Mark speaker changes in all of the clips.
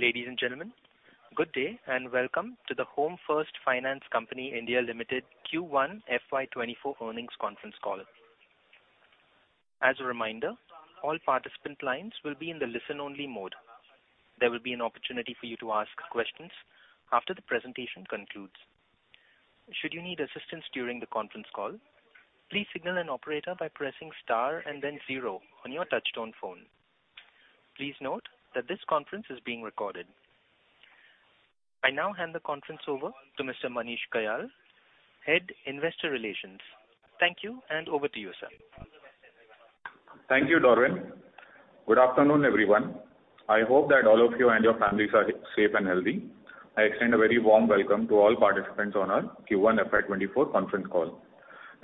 Speaker 1: Ladies and gentlemen, good day, and welcome to the Home First Finance Company India Limited Q1 FY 2024 earnings conference call. As a reminder, all participant lines will be in the listen-only mode. There will be an opportunity for you to ask questions after the presentation concludes. Should you need assistance during the conference call, please signal an operator by pressing star and then zero on your touchtone phone. Please note that this conference is being recorded. I now hand the conference over to Mr. Manish Kayal, Head, Investor Relations. Thank you, and over to you, sir.
Speaker 2: Thank you, Darwin. Good afternoon, everyone. I hope that all of you and your families are safe and healthy. I extend a very warm welcome to all participants on our Q1 FY 2024 conference call.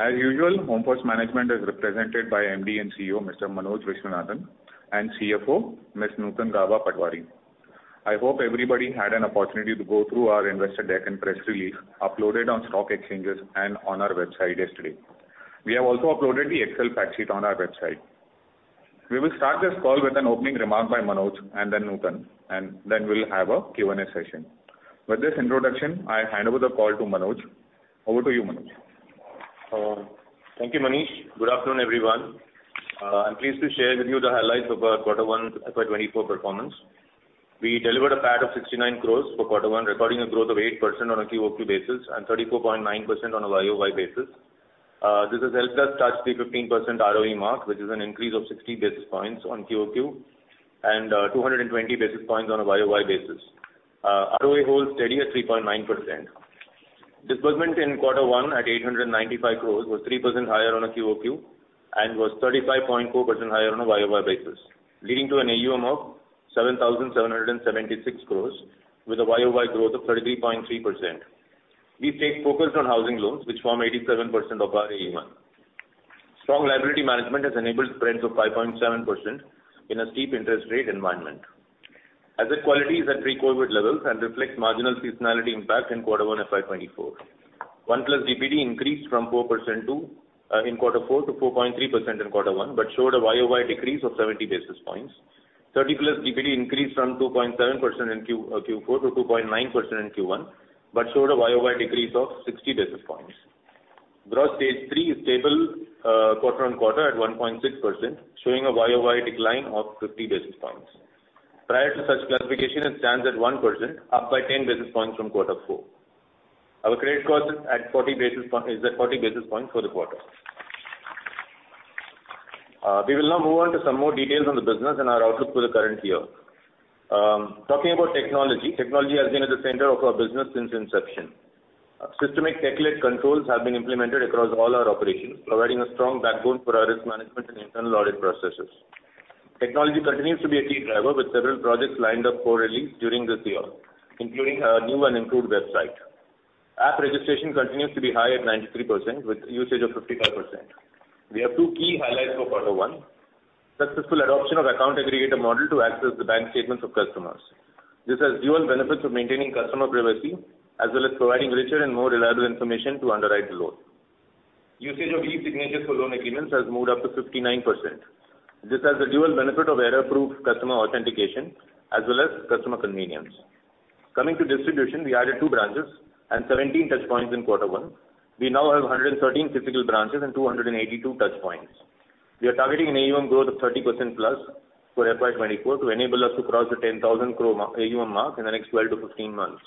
Speaker 2: As usual, Home First Management is represented by MD and CEO, Mr. Manoj Viswanathan, and CFO, Ms. Nutan Gaba Patwari. I hope everybody had an opportunity to go through our investor deck and press release, uploaded on stock exchanges and on our website yesterday. We have also uploaded the Excel fact sheet on our website. We will start this call with an opening remark by Manoj and then Nutan, and then we'll have a Q&A session. With this introduction, I hand over the call to Manoj. Over to you, Manoj.
Speaker 3: Thank you, Manish. Good afternoon, everyone. I'm pleased to share with you the highlights of our Q1 FY 2024 performance. We delivered a PAT of 69 crore for Q1, recording a growth of 8% on a QoQ basis and 34.9% on a YoY basis. This has helped us touch the 15% ROE mark, which is an increase of 60 basis points on QoQ and 220 basis points on a YoY basis. ROA holds steady at 3.9%. Disbursement in Q1 at 895 crore was 3% higher on a QoQ and was 35.4% higher on a YoY basis, leading to an AUM of 7,776 crore with a YoY growth of 33.3%. We stayed focused on housing loans, which form 87% of our AUM. Strong liability management has enabled spreads of 5.7% in a steep interest rate environment. Asset quality is at pre-COVID levels and reflects marginal seasonality impact in Q1 FY 2024. 1+ DPD increased from 4% to in Q4 to 4.3% in Q1, but showed a YoY decrease of 60 basis points. Gross Stage 3 is stable, quarter-on-quarter at 1.6%, showing a YoY decline of 50 basis points. Prior to such classification, it stands at 1%, up by 10 basis points from Q4. Our credit cost is at 40 basis points for the quarter. We will now move on to some more details on the business and our outlook for the current year. Talking about technology, technology has been at the center of our business since inception. Systemic tech-led controls have been implemented across all our operations, providing a strong backbone for our risk management and internal audit processes. Technology continues to be a key driver, with several projects lined up for release during this year, including a new and improved website. App registration continues to be high at 93%, with usage of 55%. We have two key highlights for quarter one: successful adoption of account aggregator model to access the bank statements of customers. This has dual benefits of maintaining customer privacy, as well as providing richer and more reliable information to underwrite the loan. Usage of e-signatures for loan agreements has moved up to 59%. This has the dual benefit of error-proof customer authentication as well as customer convenience. We added two branches and 17 touchpoints in quarter one. We now have 113 physical branches and 282 touchpoints. We are targeting an AUM growth of 30%+ for FY 2024 to enable us to cross the 10,000 crore mar- AUM mark in the next 12-15 months.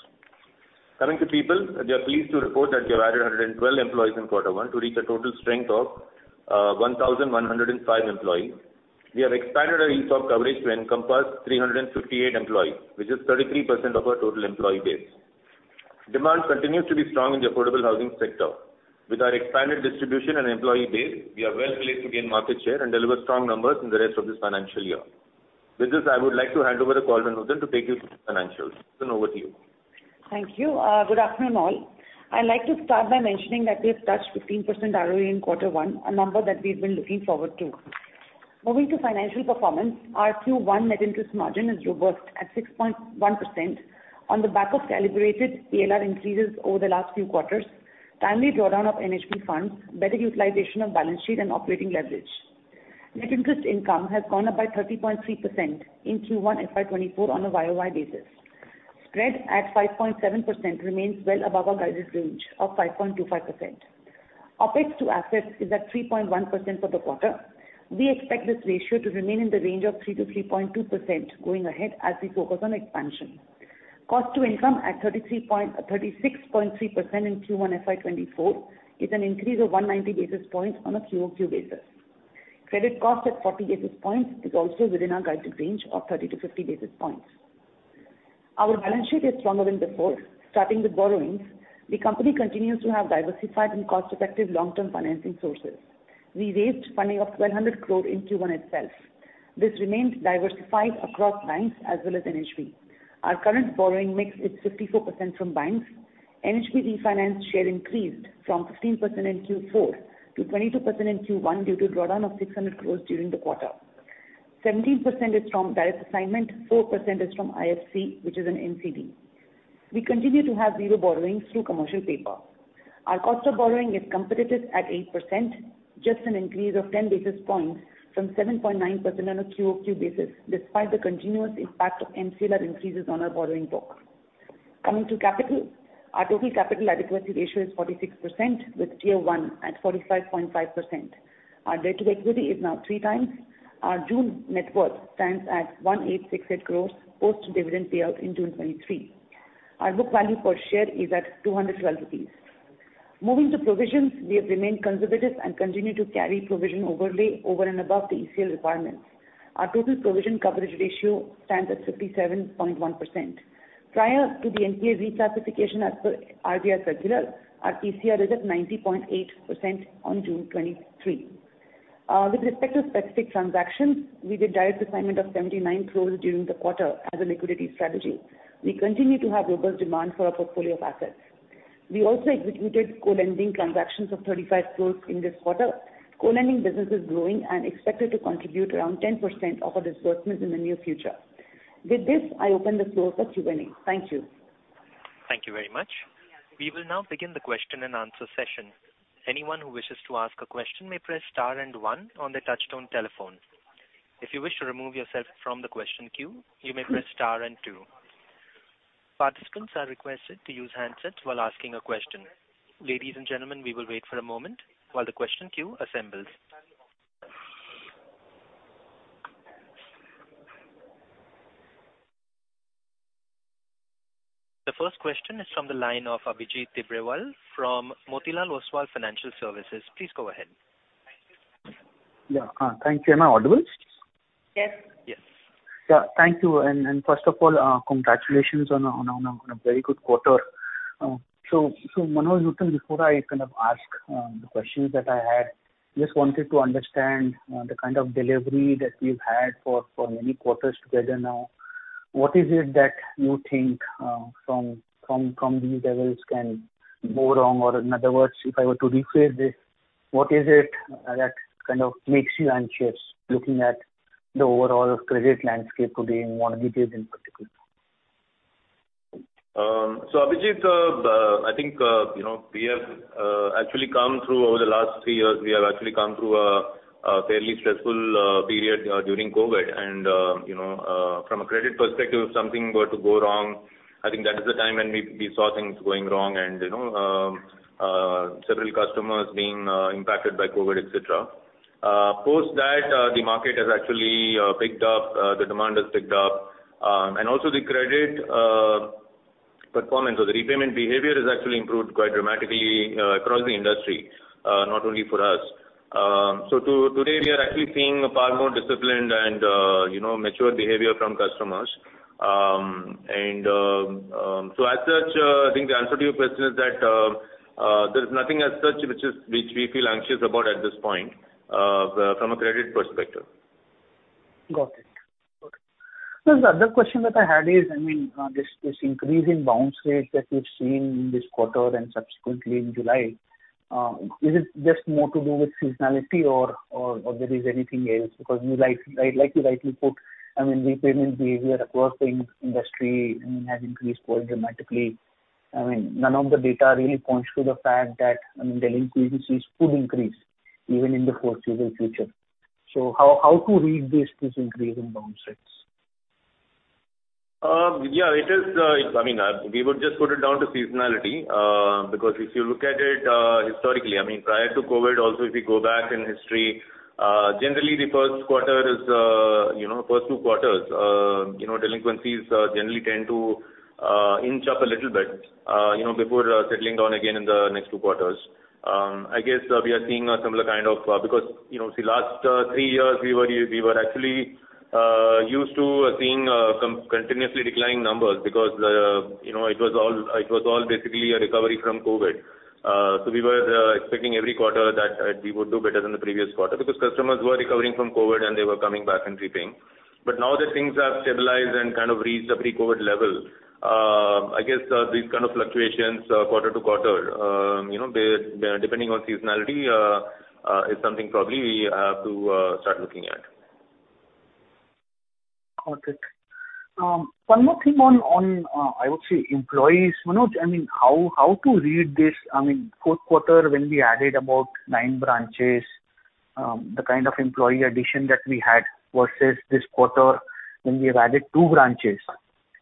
Speaker 3: We are pleased to report that we have added 112 employees in quarter one to reach a total strength of 1,105 employees. We have expanded our insource coverage to encompass 358 employees, which is 33% of our total employee base. Demand continues to be strong in the affordable housing sector. With our expanded distribution and employee base, we are well-placed to gain market share and deliver strong numbers in the rest of this financial year. With this, I would like to hand over the call to Nutan to take you through the financials. Nutan, over to you.
Speaker 4: Thank you. Good afternoon, all. I'd like to start by mentioning that we've touched 15% ROE in quarter one, a number that we've been looking forward to. Moving to financial performance, our Q1 net interest margin is robust at 6.1% on the back of calibrated PLR increases over the last few quarters, timely drawdown of NHB funds, better utilization of balance sheet and operating leverage. Net interest income has gone up by 30.3% in Q1 FY 2024 on a YoY basis. Spread at 5.7% remains well above our guided range of 5.25%. OpEx to Assets is at 3.1% for the quarter. We expect this ratio to remain in the range of 3%-3.2% going ahead as we focus on expansion. Cost to Income at 33 point- 36.3% in Q1 FY 2024, is an increase of 190 basis points on a QoQ basis. Credit cost at 40 basis points is also within our guided range of 30-50 basis points. Our balance sheet is stronger than before, starting with borrowings. The company continues to have diversified and cost-effective long-term financing sources. We raised funding of 1,200 crore in Q1 itself. This remains diversified across banks as well as NHB. Our current borrowing mix is 54% from banks. NHB refinance share increased from 15% in Q4 to 22% in Q1, due to drawdown of 600 crore during the quarter. 17% is from Direct Assignment, 4% is from IFC, which is an NCD. We continue to have zero borrowings through commercial paper. Our cost of borrowing is competitive at 8%, just an increase of 10 basis points from 7.9% on a QoQ basis, despite the continuous impact of MCLR increases on our borrowing book. Coming to capital, our total capital adequacy ratio is 46%, with Tier 1 at 45.5%. Our debt to equity is now 3x. Our June net worth stands at 1,868 crore, post-dividend payout in June 2023. Our book value per share is at 212 rupees. Moving to provisions, we have remained conservative and continue to carry provision overlay over and above the ECL requirements. Our total provision coverage ratio stands at 57.1%. Prior to the NPA reclassification as per RBI circular, our TCR is at 90.8% on June 2023. With respect to specific transactions, we did Direct Assignment of 79 crore during the quarter as a liquidity strategy. We continue to have robust demand for our portfolio of assets. We also executed co-lending transactions of 35 crore in this quarter. Co-lending business is growing and expected to contribute around 10% of our disbursements in the near future. With this, I open the floor for Q&A. Thank you.
Speaker 1: Thank you very much. We will now begin the question and answer session. Anyone who wishes to ask a question may press star and one on their touchtone telephone. If you wish to remove yourself from the question queue, you may press star and two. Participants are requested to use handsets while asking a question. Ladies and gentlemen, we will wait for a moment while the question queue assembles. The first question is from the line of Abhijit Tibrewal from Motilal Oswal Financial Services. Please go ahead.
Speaker 5: Yeah. Thank you. Am I audible?
Speaker 4: Yes.
Speaker 1: Yes.
Speaker 5: Yeah. Thank you. First of all, congratulations on a, on a, on a very good quarter. Manoj, Nutan, before I kind of ask the questions that I had, just wanted to understand the kind of delivery that you've had for, for many quarters together now. What is it that you think from, from, from these levels can go wrong? In other words, if I were to rephrase this, what is it that kind of makes you anxious, looking at the overall credit landscape today in mortgages, in particular?
Speaker 3: Abhijit, I think, you know, we have actually come through over the last three years. We have actually come through a fairly stressful period during COVID. You know, from a credit perspective, if something were to go wrong, I think that is the time when we saw things going wrong and, you know, several customers being impacted by COVID, et cetera. Post that, the market has actually picked up, the demand has picked up, also the credit performance or the repayment behavior has actually improved quite dramatically across the industry, not only for us. Today, we are actually seeing a far more disciplined and, you know, mature behavior from customers. As such, I think the answer to your question is that, there is nothing as such which we feel anxious about at this point, from a credit perspective.
Speaker 5: Got it. Got it. The other question that I had is, I mean, this, this increasing bounce rate that we've seen in this quarter and subsequently in July, is it just more to do with seasonality or, or, or there is anything else? Because you like, like, like you rightly put, I mean, repayment behavior across the industry, I mean, has increased quite dramatically. I mean, none of the data really points to the fact that, I mean, delinquencies could increase even in the foreseeable future. So how, how to read this, this increase in bounce rates?
Speaker 3: Yeah, it is. I mean, we would just put it down to seasonality. Because if you look at it historically, I mean, prior to COVID also, if you go back in history, generally the first quarter is, you know, first two quarters, you know, delinquencies generally tend to inch up a little bit, you know, before settling down again in the next two quarters. I guess, we are seeing a similar kind of, because, you know, the last three years, we were actually used to seeing continuously declining numbers because, you know, it was all, it was all basically a recovery from COVID. We were expecting every quarter that we would do better than the previous quarter, because customers were recovering from COVID, and they were coming back and repaying. Now that things are stabilized and kind of reached the pre-COVID level, I guess, these kind of fluctuations, quarter-to-quarter, you know, they depending on seasonality, is something probably we have to start looking at.
Speaker 5: Got it. One more thing on, on, I would say employees, Manoj. I mean, how to read this? I mean, fourth quarter, when we added about nine branches, the kind of employee addition that we had versus this quarter, when we have added two branches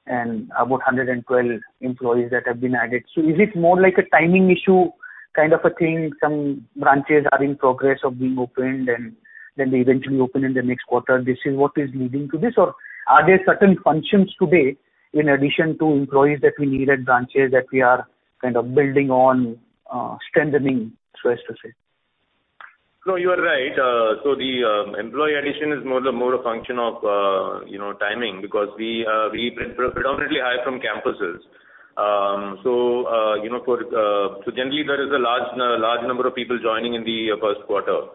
Speaker 5: and about 112 employees that have been added. Is it more like a timing issue kind of a thing? Some branches are in progress of being opened, and then they eventually open in the next quarter. Is this what is leading to this, or are there certain functions today, in addition to employees that we need at branches, that we are kind of building on, strengthening, so as to say?
Speaker 3: No, you are right. So the employee addition is more, more a function of, you know, timing, because we predominantly hire from campuses. You know, for... Generally, there is a large number of people joining in the first quarter,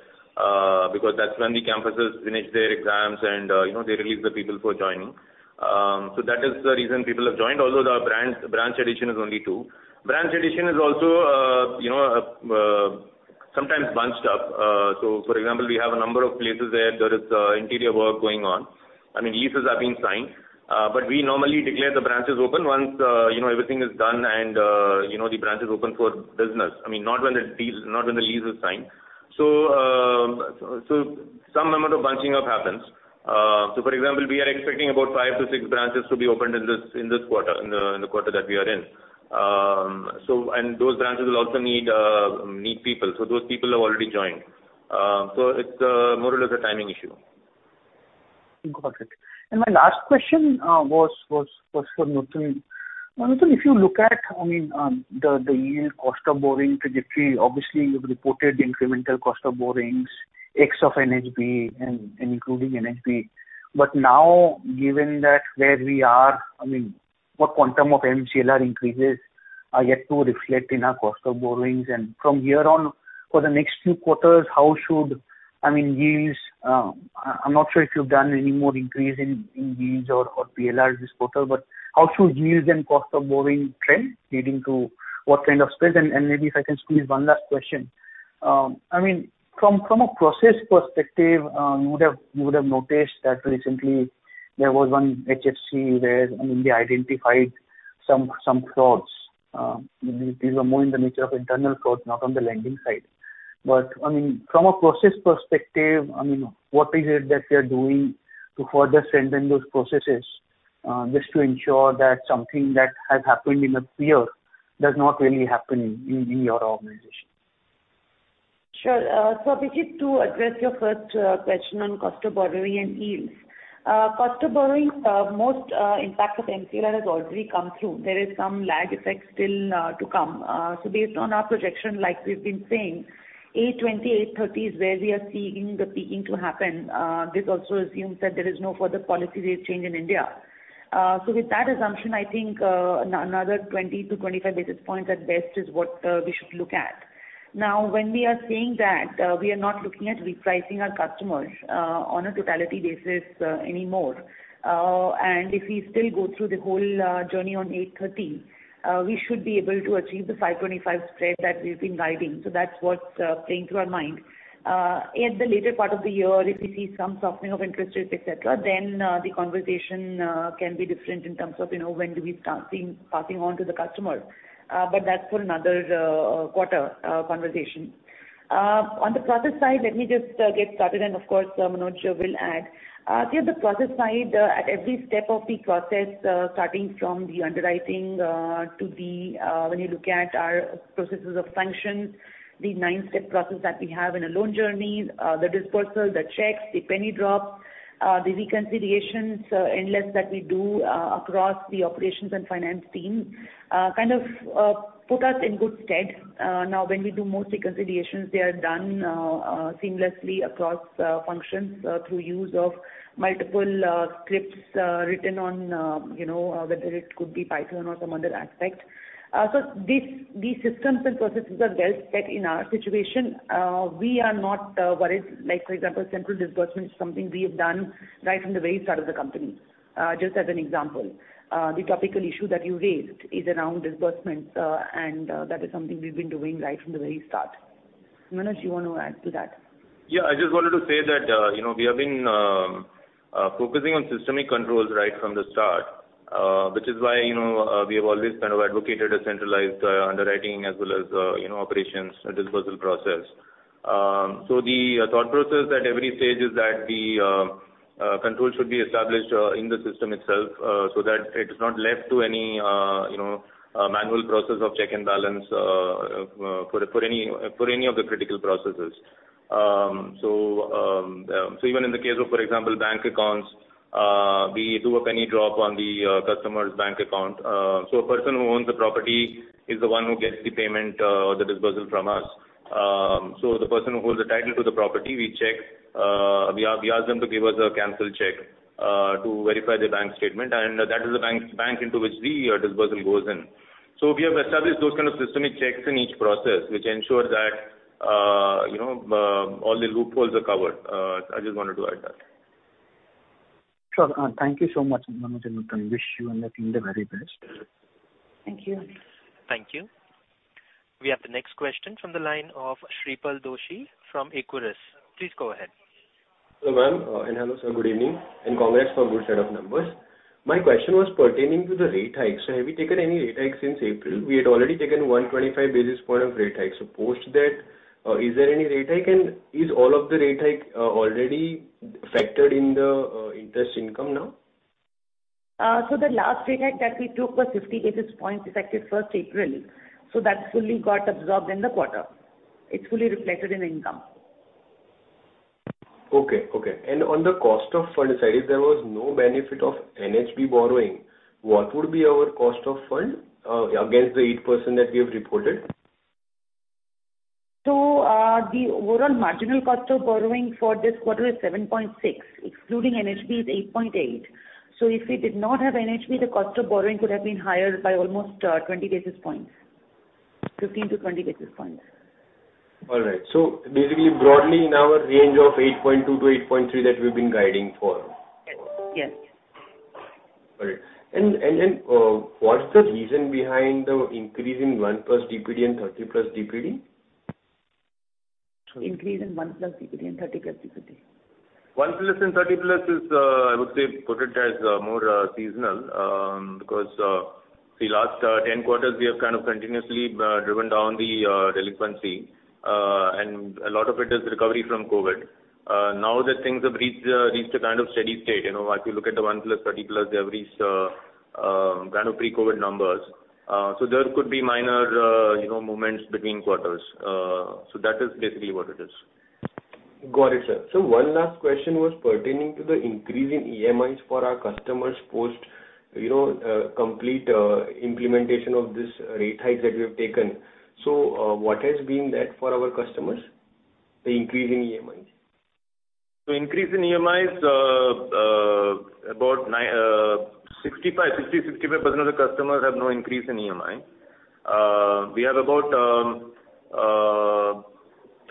Speaker 3: because that's when the campuses finish their exams and, you know, they release the people for joining. That is the reason people have joined, although the branch addition is only two. Branch addition is also, you know, sometimes bunched up. For example, we have a number of places where there is interior work going on. I mean, leases are being signed, but we normally declare the branches open once, you know, everything is done and, you know, the branch is open for business. I mean, not when the deal, not when the lease is signed. Some amount of bunching up happens. For example, we are expecting about five-six branches to be opened in this, in this quarter, in the, in the quarter that we are in. Those branches will also need, need people. Those people have already joined. It's, more or less a timing issue.
Speaker 5: Got it. My last question was for Manoj. Manoj, if you look at, I mean, the yield cost of borrowing trajectory, obviously, you've reported the incremental cost of borrowings, X of NHB and including NHB. Now, given that where we are, I mean, what quantum of MCLR increases are yet to reflect in our cost of borrowings? From here on, for the next few quarters, how should, I mean, yields... I'm not sure if you've done any more increase in yields or PLR this quarter, but how should yields and cost of borrowing trend leading to what kind of space? Maybe if I can squeeze one last question. I mean, from, from a process perspective, you would have, you would have noticed that recently there was one HFC where, I mean, they identified some, some flaws. These, these were more in the nature of internal flaws, not on the lending side. I mean, from a process perspective, I mean, what is it that you're doing to further strengthen those processes, just to ensure that something that has happened in the past year does not really happen in, in your organization?
Speaker 4: Sure. So Abhijit, to address your first question on cost of borrowing and yields. Cost of borrowing, most impact of MCLR has already come through. There is some lag effect still to come. Based on our projection, like we've been saying, 820, 830 is where we are seeing the peaking to happen. This also assumes that there is no further policy rate change in India. With that assumption, I think, another 20-25 basis points at best is what we should look at. When we are saying that, we are not looking at repricing our customers, on a totality basis, anymore. If we still go through the whole journey on 830, we should be able to achieve the 525 spread that we've been guiding. That's what's playing through our mind. At the later part of the year, if we see some softening of interest rates, et cetera, then the conversation can be different in terms of, you know, when do we start seeing passing on to the customers. That's for another quarter conversation. On the process side, let me just get started and of course, Manoj will add. The process side, at every step of the process, starting from the underwriting, to the, when you look at our processes of functions, the nine-step process that we have in a loan journey, the dispersal, the checks, the penny drop, the reconciliations, unless that we do, across the operations and finance team, kind of, put us in good stead. Now, when we do most reconciliations, they are done seamlessly across functions, through use of multiple scripts, written on, you know, whether it could be Python or some other aspect. These, these systems and processes are well set in our situation. We are not worried, like, for example, central disbursement is something we have done right from the very start of the company. Just as an example, the topical issue that you raised is around disbursements, and that is something we've been doing right from the very start. Manoj, you want to add to that?
Speaker 3: Yeah, I just wanted to say that, you know, we have been focusing on systemic controls right from the start, which is why, you know, we have always kind of advocated a centralized underwriting as well as, you know, operations and dispersal process. The thought process at every stage is that the control should be established in the system itself, so that it is not left to any, you know, manual process of check and balance for any of the critical processes. Even in the case of, for example, bank accounts, we do a penny drop on the customer's bank account. A person who owns the property is the one who gets the payment or the disbursement from us. The person who holds the title to the property, we check, we ask, we ask them to give us a canceled check to verify the bank statement, and that is the bank, bank into which the disbursement goes in. So we have established those kind of systemic checks in each process, which ensures that all the loopholes are covered. I just wanted to add that.
Speaker 5: Sure. Thank you so much, Manoj and Manoj. Wish you and your team the very best.
Speaker 4: Thank you.
Speaker 1: Thank you. We have the next question from the line of Shreepal Doshi from Equirus. Please go ahead.
Speaker 6: Hello, ma'am, hello, sir, good evening, and congrats on good set of numbers. My question was pertaining to the rate hike. Have you taken any rate hike since April? We had already taken 125 basis points of rate hike. Post that, is there any rate hike? Is all of the rate hike already factored in the interest income now?
Speaker 4: The last rate hike that we took was 50 basis points, effective 1st April. That fully got absorbed in the quarter. It's fully reflected in income.
Speaker 6: Okay, okay. On the cost of fund side, if there was no benefit of NHB borrowing, what would be our cost of fund, against the 8% that you have reported?
Speaker 4: The overall marginal cost of borrowing for this quarter is 7.6%, excluding NHB is 8.8%. If we did not have NHB, the cost of borrowing could have been higher by almost 20 basis points. 15-20 basis points.
Speaker 6: All right. Basically, broadly in our range of 8.2%-8.3% that we've been guiding for.
Speaker 4: Yes. Yes.
Speaker 6: What's the reason behind the increase in 1+ DPD and 30+ DPD?
Speaker 4: Increase in 1+ DPD and 30+ DPD.
Speaker 3: 1+ and 30+ is, I would say, put it as more seasonal, because the last 10 quarters, we have kind of continuously driven down the delinquency, and a lot of it is recovery from COVID. Now that things have reached reached a kind of steady state, you know, if you look at the 1+, 30+, there is kind of pre-COVID numbers. There could be minor, you know, movements between quarters. That is basically what it is.
Speaker 6: Got it, sir. One last question was pertaining to the increase in EMIs for our customers post, you know, complete implementation of this rate hike that we have taken. What has been that for our customers, the increase in EMIs?
Speaker 3: Increase in EMIs, about 65%, 60%, 65% of the customers have no increase in EMI. We have about 30%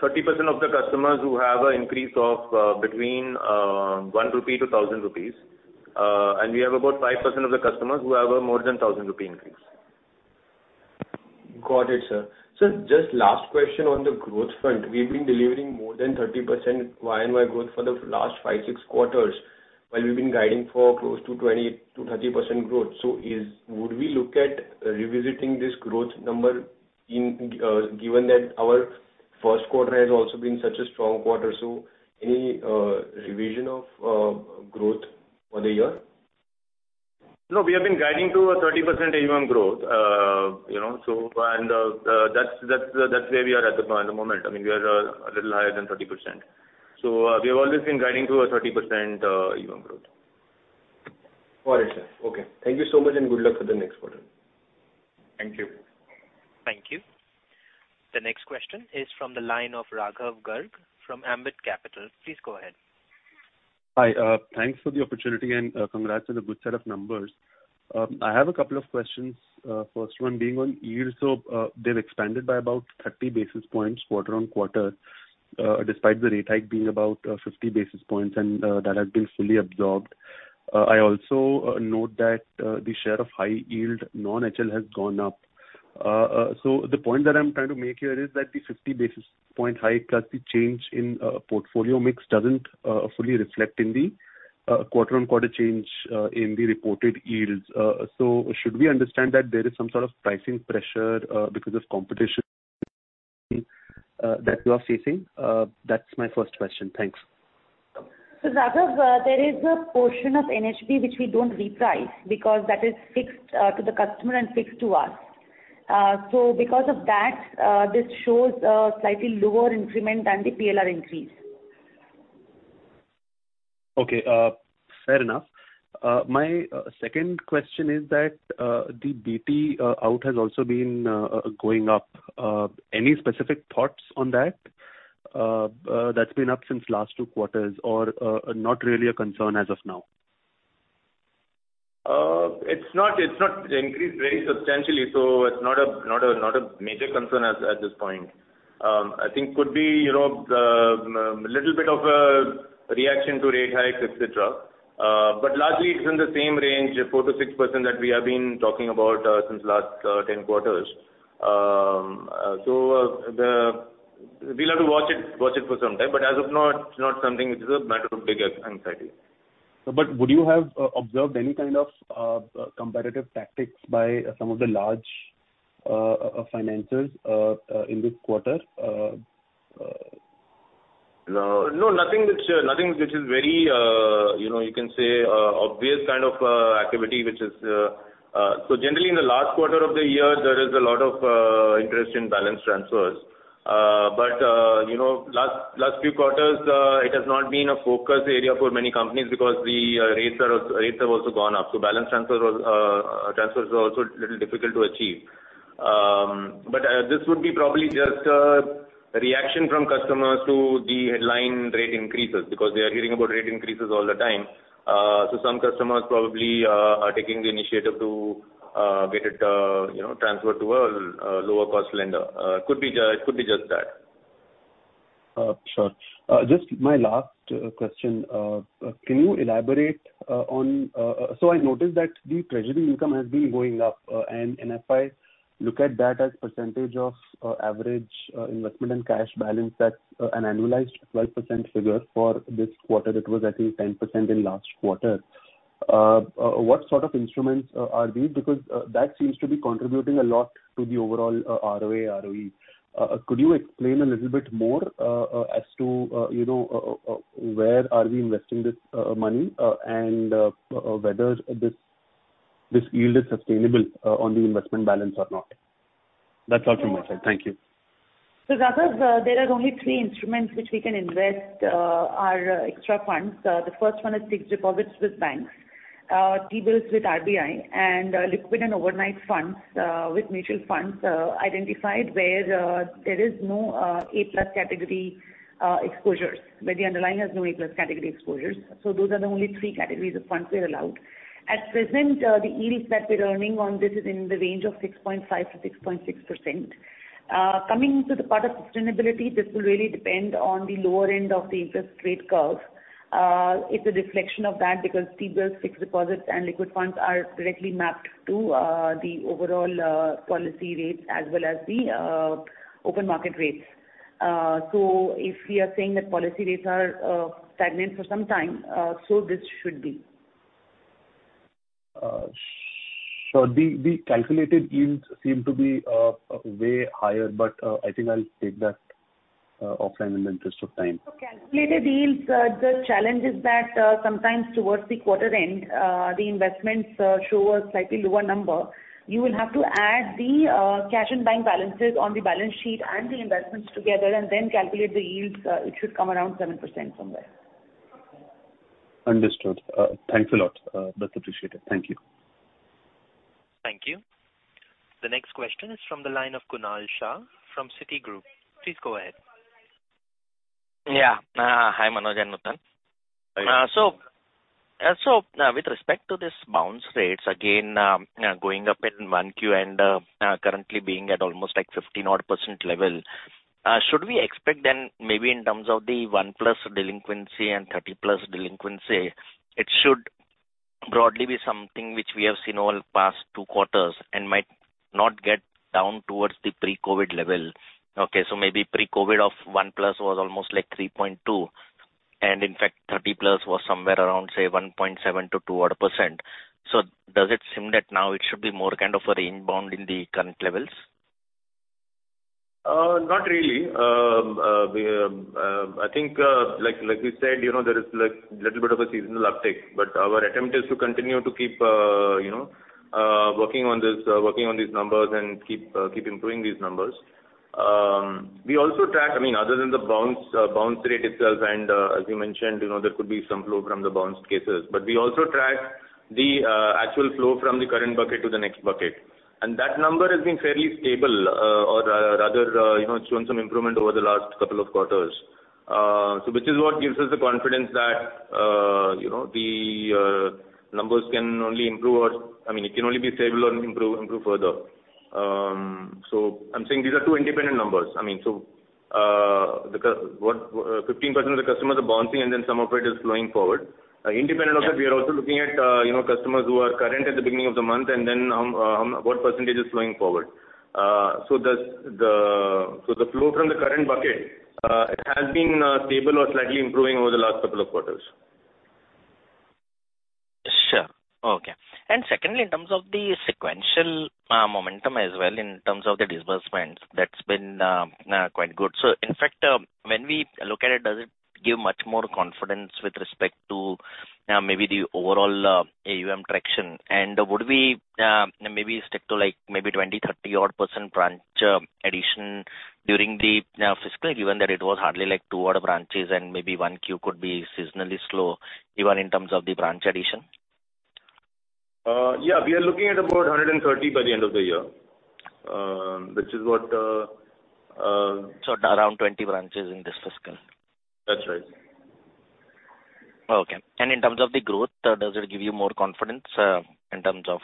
Speaker 3: of the customers who have an increase of between 1 rupee-INR1,000. We have about 5% of the customers who have a more than 1,000 rupee increase.
Speaker 6: Got it, sir. Sir, just last question on the growth front. We've been delivering more than 30% YoY growth for the last five, six quarters, while we've been guiding for close to 20%-30% growth. Would we look at revisiting this growth number in given that our first quarter has also been such a strong quarter, so any revision of growth for the year?
Speaker 3: No, we have been guiding to a 30% YoY growth. You know, so and, that's where we are at the moment. I mean, we are a little higher than 30%. We have always been guiding to a 30% YoY growth.
Speaker 6: Got it, sir. Okay. Thank you so much, and good luck for the next quarter.
Speaker 3: Thank you.
Speaker 1: Thank you. The next question is from the line of Raghav Garg from Ambit Capital. Please go ahead.
Speaker 7: Hi, thanks for the opportunity and congrats on the good set of numbers. I have a couple of questions. First one being on yield. They've expanded by about 30 basis points, quarter-on-quarter, despite the rate hike being about 50 basis points, and that has been fully absorbed. I also note that the share of high-yield non-HL has gone up. The point that I'm trying to make here is that the 50 basis point hike plus the change in portfolio mix doesn't fully reflect in the quarter-on-quarter change in the reported yields. Should we understand that there is some sort of pricing pressure because of competition that you are facing? That's my first question. Thanks.
Speaker 4: Raghav, there is a portion of NHB which we don't reprice, because that is fixed to the customer and fixed to us. Because of that, this shows a slightly lower increment than the PLR increase.
Speaker 7: Okay, fair enough. My second question is that the BT out has also been going up. Any specific thoughts on that? That's been up since last two quarters or not really a concern as of now.
Speaker 3: It's not, it's not increased very substantially, so it's not a, not a, not a major concern at, at this point. I think could be, you know, little bit of a reaction to rate hikes, et cetera. Largely it's in the same range of 4%-6% that we have been talking about, since last 10 quarters. We'll have to watch it, watch it for some time, but as of now, it's not something which is a matter of big anxiety.
Speaker 7: Would you have observed any kind of competitive tactics by some of the large financers in this quarter?
Speaker 3: No, no, nothing which, nothing which is very, you know, you can say, obvious kind of activity, which is. Generally, in the last quarter of the year, there is a lot of interest in balance transfers. But, you know, last, last few quarters, it has not been a focus area for many companies because the rates are, rates have also gone up, so balance transfer was, transfers were also a little difficult to achieve. But, this would be probably just a reaction from customers to the headline rate increases, because they are hearing about rate increases all the time. So some customers probably are taking the initiative to get it, you know, transferred to a lower-cost lender. Could be just, could be just that.
Speaker 7: Sure. Just my last question. Can you elaborate on... I noticed that the treasury income has been going up, and and if I look at that as percentage of average investment and cash balance, that's an annualized 12% figure for this quarter. It was, I think, 10% in last quarter. What sort of instruments are these? Because that seems to be contributing a lot to the overall ROA, ROE. Could you explain a little bit more as to, you know, where are we investing this money, and whether this, this yield is sustainable on the investment balance or not? That's all from my side. Thank you.
Speaker 4: Raghav, there are only three instruments which we can invest our extra funds. The first one is fixed deposits with banks, T-bills with RBI, and liquid and overnight funds with mutual funds identified where there is no A+ category exposures, where the underlying has no A+ category exposures. Those are the only three categories of funds we are allowed. At present, the yields that we're earning on this is in the range of 6.5%-6.6%. Coming to the part of sustainability, this will really depend on the lower end of the interest rate curve, it's a reflection of that because T-bills, fixed deposits, and liquid funds are directly mapped to the overall policy rates as well as the open market rates. If we are saying that policy rates are stagnant for some time, this should be.
Speaker 7: The calculated yields seem to be way higher, but I think I'll take that offline in the interest of time.
Speaker 4: Calculated yields, the challenge is that, sometimes towards the quarter end, the investments, show a slightly lower number. You will have to add the cash and buying balances on the balance sheet and the investments together and then calculate the yields. It should come around 7% somewhere.
Speaker 7: Understood. Thanks a lot. That's appreciated. Thank you.
Speaker 1: Thank you. The next question is from the line of Kunal Shah from Citigroup. Please go ahead.
Speaker 8: Yeah. Hi, Manoj and Nutan. With respect to this bounce rates, again, going up in 1Q and currently being at almost like 15-odd% level, should we expect then maybe in terms of the 1+ delinquency and 30+ delinquency, it should broadly be something which we have seen over the past two quarters and might not get down towards the pre-COVID level? Okay, maybe pre-COVID of 1+ was almost like 3.2%, and in fact, 30+ was somewhere around, say, 1.7%-2 odd percent. Does it seem that now it should be more kind of a range bound in the current levels?
Speaker 3: Not really. I think, like we said, you know, there is like little bit of a seasonal uptick, but our attempt is to continue to keep, you know, working on this, working on these numbers and keep, keep improving these numbers. We also track, I mean, other than the bounce, bounce rate itself, and, as you mentioned, you know, there could be some flow from the bounced cases. But we also track the actual flow from the current bucket to the next bucket. And that number has been fairly stable, or rather, you know, shown some improvement over the last couple of quarters. So which is what gives us the confidence that, you know, the numbers can only improve or, I mean, it can only be stable and improve, improve further. I'm saying these are two independent numbers. I mean, 15% of the customers are bouncing, and then some of it is flowing forward. Independent of that, we are also looking at, you know, customers who are current at the beginning of the month and then, what percentage is flowing forward. The flow from the current bucket, it has been stable or slightly improving over the last couple of quarters.
Speaker 8: Sure. Okay. Secondly, in terms of the sequential momentum as well, in terms of the disbursements, that's been quite good. In fact, when we look at it, does it give much more confidence with respect to maybe the overall AUM traction? Would we maybe stick to, like, maybe 20%-30% odd branch addition during the fiscal, given that it was hardly like two odd branches and maybe 1Q could be seasonally slow, even in terms of the branch addition?
Speaker 3: Yeah, we are looking at about 130 by the end of the year, which is what.
Speaker 8: Around 20 branches in this fiscal?
Speaker 3: That's right.
Speaker 8: Okay. In terms of the growth, does it give you more confidence in terms of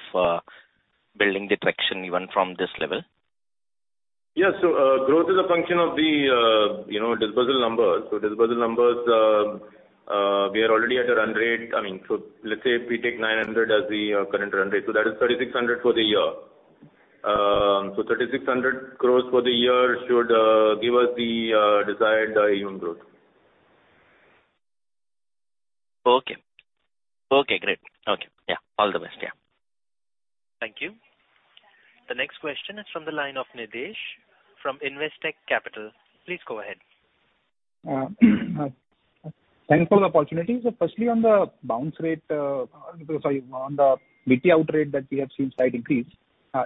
Speaker 8: building the traction even from this level?
Speaker 3: Yeah. Growth is a function of the, you know, dispersal numbers. Dispersal numbers, we are already at a run rate. I mean, so let's say if we take 900 as the current run rate, so that is 3,600 crore for the year. 3,600 crore for the year should give us the desired AUM growth.
Speaker 8: Okay. Okay, great. Okay. Yeah. All the best. Yeah.
Speaker 1: Thank you. The next question is from the line of Nidhesh from Investec Capital. Please go ahead.
Speaker 9: Thanks for the opportunity. Firstly, on the bounce rate, sorry, on the BT out rate that we have seen slight increase,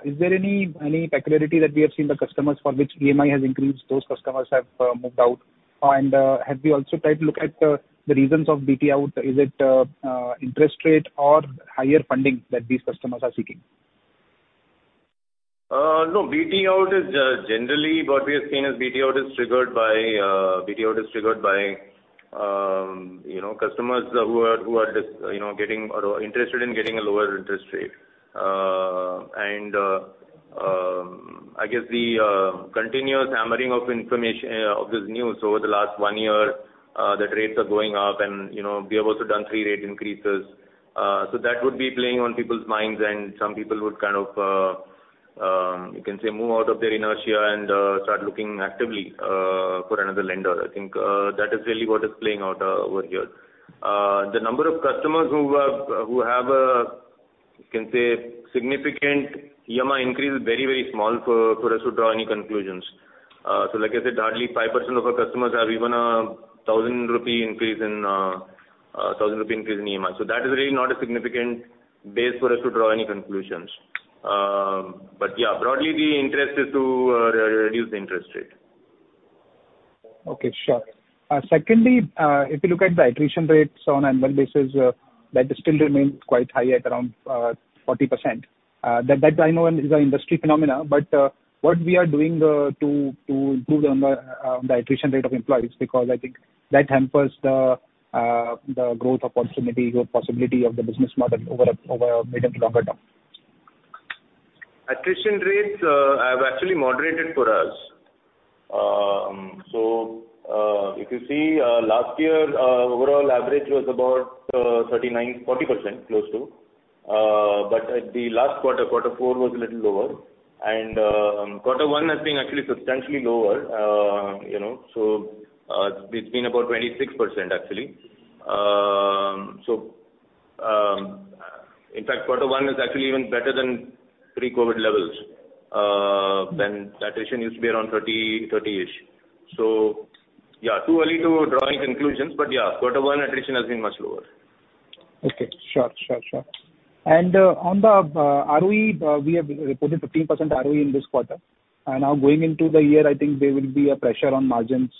Speaker 9: is there any, any peculiarity that we have seen the customers for which EMI has increased, those customers have, moved out? Have you also tried to look at, the reasons of BT out? Is it, interest rate or higher funding that these customers are seeking?
Speaker 3: No, BT out is, generally what we have seen as BT out is triggered by, BT out is triggered by, you know, customers who are, who are just, you know, getting or interested in getting a lower interest rate. I guess the continuous hammering of of this news over the last one year, that rates are going up and, you know, we have also done three rate increases. That would be playing on people's minds, and some people would kind of, you can say, move out of their inertia and, start looking actively, for another lender. I think, that is really what is playing out, over here. The number of customers who have, who have a, you can say, significant EMI increase is very, very small for, for us to draw any conclusions. Like I said, hardly 5% of our customers have even an 1,000 rupee increase in, an INR 1,000 increase in EMI. That is really not a significant base for us to draw any conclusions. Yeah, broadly, the interest is to reduce the interest rate.
Speaker 9: Okay, sure. Secondly, if you look at the attrition rates on annual basis, that still remains quite high at around 40%. That, that I know is an industry phenomena, but what we are doing to improve on the attrition rate of employees? Because I think that hampers the growth opportunity or possibility of the business model over a medium to longer term.
Speaker 3: attrition rates, have actually moderated for us. If you see, last year, overall average was about, 39%-40%, close to. At the last quarter, quarter four was a little lower, and, quarter one has been actually substantially lower. You know, so, it's been about 26%, actually. In fact, quarter one is actually even better than pre-COVID levels, when the attrition used to be around 30%, 30-ish. Yeah, too early to draw any conclusions, but yeah, quarter one attrition has been much lower.
Speaker 9: Okay. Sure, sure, sure. On the ROE, we have reported 15% ROE in this quarter, and now going into the year, I think there will be a pressure on margins,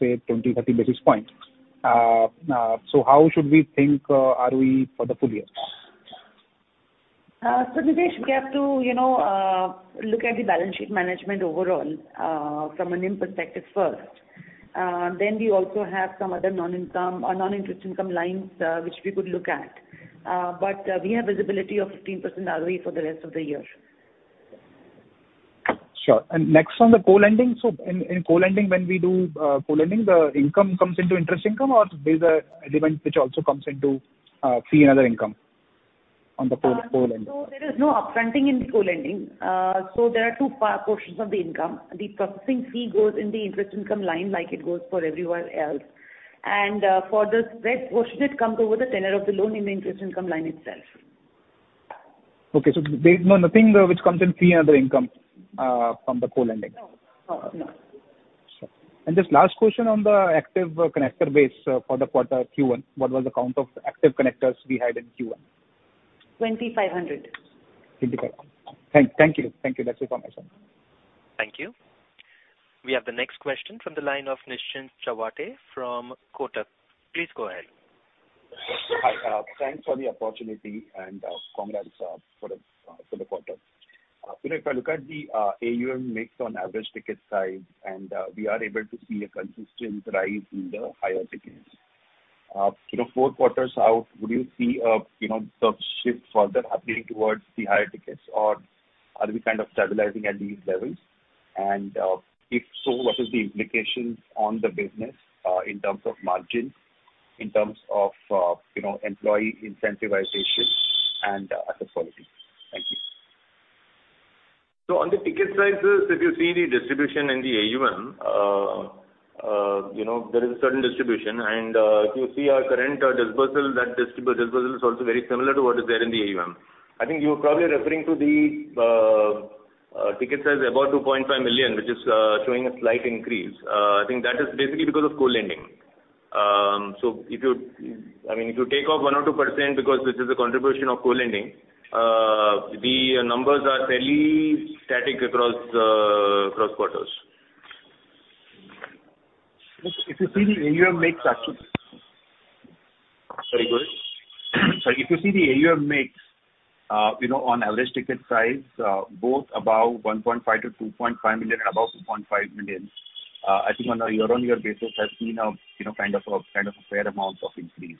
Speaker 9: say 20-30 basis points. How should we think ROE for the full year?
Speaker 4: Nidhesh, we have to, you know, look at the balance sheet management overall, from a NIM perspective first. We also have some other non-income or non-interest income lines, which we could look at. We have visibility of 15% ROE for the rest of the year.
Speaker 9: Sure. Next, on the co-lending. In, in co-lending, when we do co-lending, the income comes into interest income or there's an element which also comes into fee and other income on the co-lending?
Speaker 4: There is no upfronting in co-lending. There are two portions of the income. The processing fee goes in the interest income line, like it goes for everyone else. For the spread portion, it comes over the tenure of the loan in the interest income line itself.
Speaker 9: Okay, there's nothing which comes in fee and other income, from the co-lending?
Speaker 4: No. No, no.
Speaker 9: Sure. Just last question on the active connector base for the quarter Q1. What was the count of active connectors we had in Q1?
Speaker 4: 2,500.
Speaker 9: INR 2,500. Thank, thank you. Thank you. That's information.
Speaker 1: Thank you. We have the next question from the line of Nischint Chawathe from Kotak. Please go ahead.
Speaker 10: Hi, thanks for the opportunity, and congrats for the for the quarter. If I look at the AUM mix on average ticket size, and we are able to see a consistent rise in the higher tickets. You know, four quarters out, would you see a, you know, the shift further happening towards the higher tickets, or are we kind of stabilizing at these levels? If so, what is the implications on the business, in terms of margins, in terms of, you know, employee incentivization and asset quality? Thank you.
Speaker 3: On the ticket sizes, if you see the distribution in the AUM, you know, there is a certain distribution. If you see our current dispersal, that dispersal is also very similar to what is there in the AUM. I think you're probably referring to the ticket size about 2.5 million, which is showing a slight increase. I think that is basically because of co-lending. If you, I mean, if you take off 1% or 2%, because this is a contribution of co-lending, the numbers are fairly static across across quarters.
Speaker 10: If you see the AUM mix actually. Sorry, go ahead. Sorry, if you see the AUM mix, you know, on average ticket size, both above 1.5 million-2.5 million and above 2.5 million, I think on a year-on-year basis has seen a, you know, kind of a, kind of a fair amount of increase.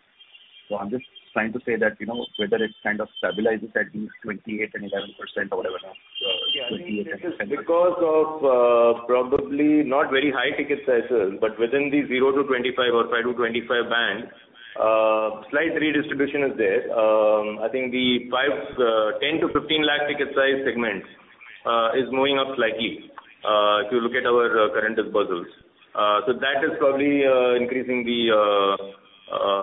Speaker 10: I'm just trying to say that, you know, whether it's kind of stabilizes at these 28% and 11% or whatever now, 28-
Speaker 3: Yeah, I think this is because of, probably not very high ticket sizes, but within the 0-25 or 5-25 bands, slight redistribution is there. I think the 10 lakh-15 lakh ticket size segments is moving up slightly, if you look at our current disbursements. So that is probably increasing the,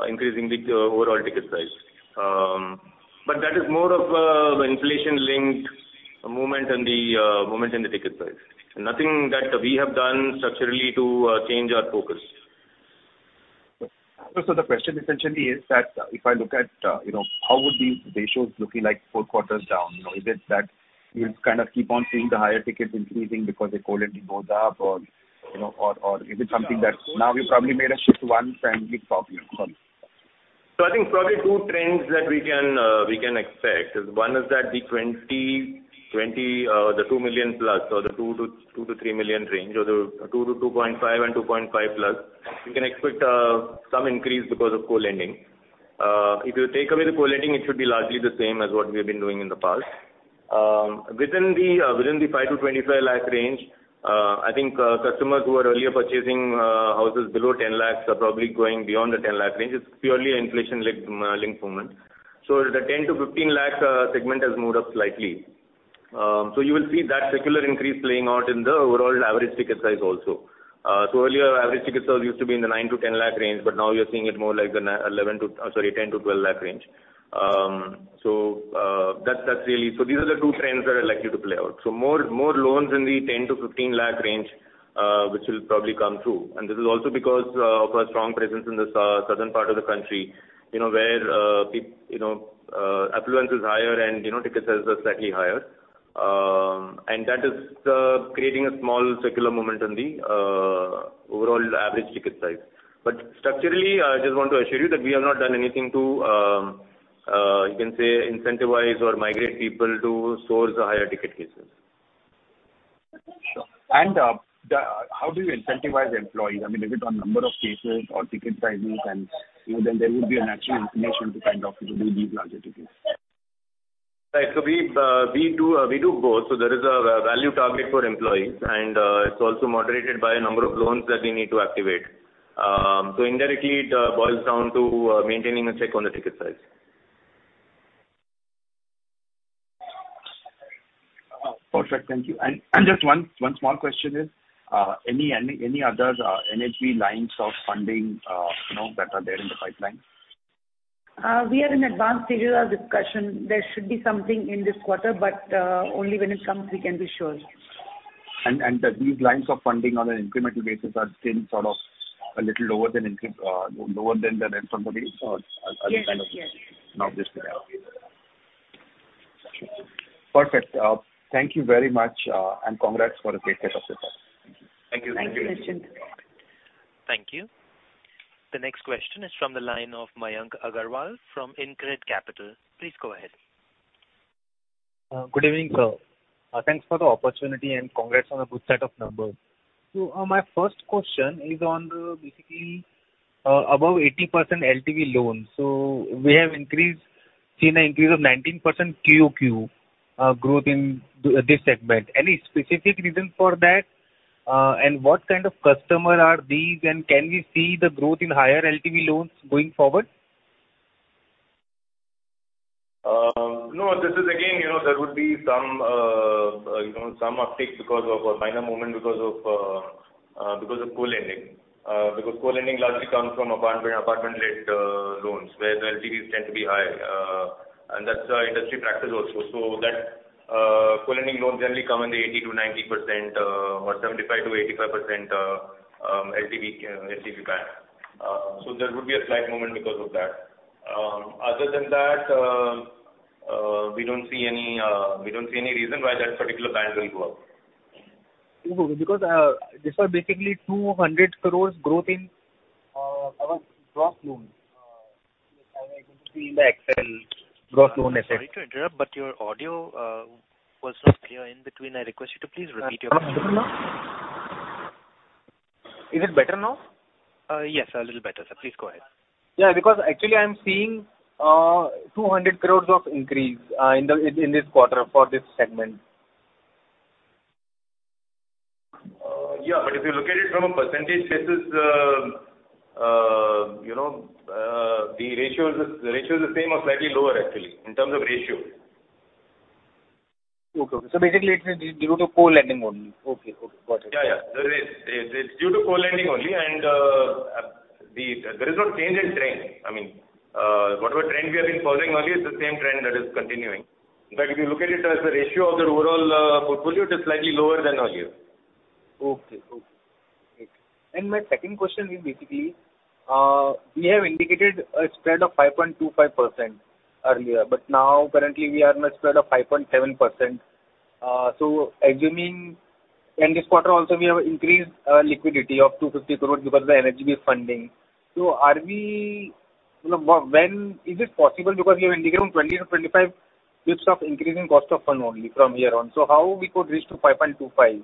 Speaker 3: increasing the overall ticket size. But that is more of an inflation-linked movement in the movement in the ticket size. Nothing that we have done structurally to change our focus.
Speaker 10: The question essentially is that if I look at, you know, how would these ratios looking like four quarters down? You know, is it that you kind of keep on seeing the higher tickets increasing because the co-lending goes up or, you know, or, or is it something that now we probably made a shift once and it's popular?
Speaker 3: Sorry. I think probably two trends that we can expect is one is that the 2 million+ or the 2 million-3 million range, or the 2 million-2.5 million and 2.5 million+, we can expect some increase because of co-lending. If you take away the co-lending, it should be largely the same as what we have been doing in the past. Within the 5 lakh-25 lakh range, I think customers who were earlier purchasing houses below 10 lakh are probably going beyond the 10 lakh range. It's purely an inflation-linked movement. The 10 lakh-15 lakh segment has moved up slightly. You will see that circular increase playing out in the overall average ticket size also. Earlier, average ticket size used to be in the 9 lakh-10 lakh range, but now you're seeing it more like sorry, 10 lakh-12 lakh range. that's, that's really-- These are the two trends that are likely to play out. More, more loans in the 10 lakh-15 lakh range, which will probably come through. This is also because of a strong presence in the southern part of the country, you know, where, you know, affluence is higher and, you know, ticket sales are slightly higher. That is creating a small circular moment in the overall average ticket size. Structurally, I just want to assure you that we have not done anything to, you can say, incentivize or migrate people to source higher ticket cases.
Speaker 10: The, how do you incentivize employees? I mean, is it on number of cases or ticket sizes? You know, then there would be a natural inclination to kind of do these larger tickets.
Speaker 3: Right. We do, we do both. There is a value target for employees, and it's also moderated by a number of loans that we need to activate. Indirectly, it boils down to maintaining a check on the ticket size.
Speaker 10: Perfect. Thank you. just one, one small question is, any, any, any other NHB lines of funding, you know, that are there in the pipeline?
Speaker 4: We are in advanced stages of discussion. There should be something in this quarter, but only when it comes, we can be sure.
Speaker 10: These lines of funding on an incremental basis are still sort of a little lower than lower than the rent funding or are kind of.
Speaker 4: Yes. Yes.
Speaker 10: Obviously. Perfect. Thank you very much, and congrats for a great set of results.
Speaker 3: Thank you.
Speaker 4: Thank you, Nischint.
Speaker 1: Thank you. The next question is from the line of Mayank Agarwal from InCred Capital. Please go ahead.
Speaker 11: Good evening, sir. Thanks for the opportunity, and congrats on a good set of numbers. My first question is on, basically, above 80% LTV loans. We have increased, seen an increase of 19% QoQ growth in this segment. Any specific reason for that? What kind of customer are these, and can we see the growth in higher LTV loans going forward?
Speaker 3: No, this is again, you know, there would be some, you know, some uptick because of a minor movement because of co-lending. Co-lending largely comes from apartment, apartment rate loans, where the LTVs tend to be high, and that's an industry practice also. That, co-lending loans generally come in the 80%-90% or 75%-85% LTV LTV band. There would be a slight movement because of that. Other than that, we don't see any, we don't see any reason why that particular band will go up.
Speaker 11: Okay. Because this was basically 200 crore growth in our gross loans. I couldn't see in the Excel gross loan asset.
Speaker 1: Sorry to interrupt, but your audio was not clear in between. I request you to please repeat your question.
Speaker 11: Is it better now?
Speaker 1: Yes, a little better, sir. Please go ahead.
Speaker 11: Yeah, because actually I am seeing 200 crore of increase in the, in, in this quarter for this segment.
Speaker 3: Yeah, if you look at it from a percentage, this is, you know, the ratio is the same or slightly lower actually, in terms of ratio.
Speaker 11: Okay. Basically, it's due to co-lending only. Okay. Okay. Got it.
Speaker 3: Yeah, yeah. It's, it's, it's due to co-lending only, and the. There is no change in trend. I mean, whatever trend we have been following earlier, it's the same trend that is continuing. If you look at it as a ratio of the overall portfolio, it is slightly lower than earlier.
Speaker 11: Okay. Okay. Great. My second question is basically, we have indicated a spread of 5.25% earlier, but now currently we are in a spread of 5.7%. Assuming in this quarter also, we have increased, liquidity of 250 crore because of the NHB funding. Are we, you know, when is it possible, because we have indicated 20-25 basis points of increase in cost of fund only from here on. How we could reach to 5.25%?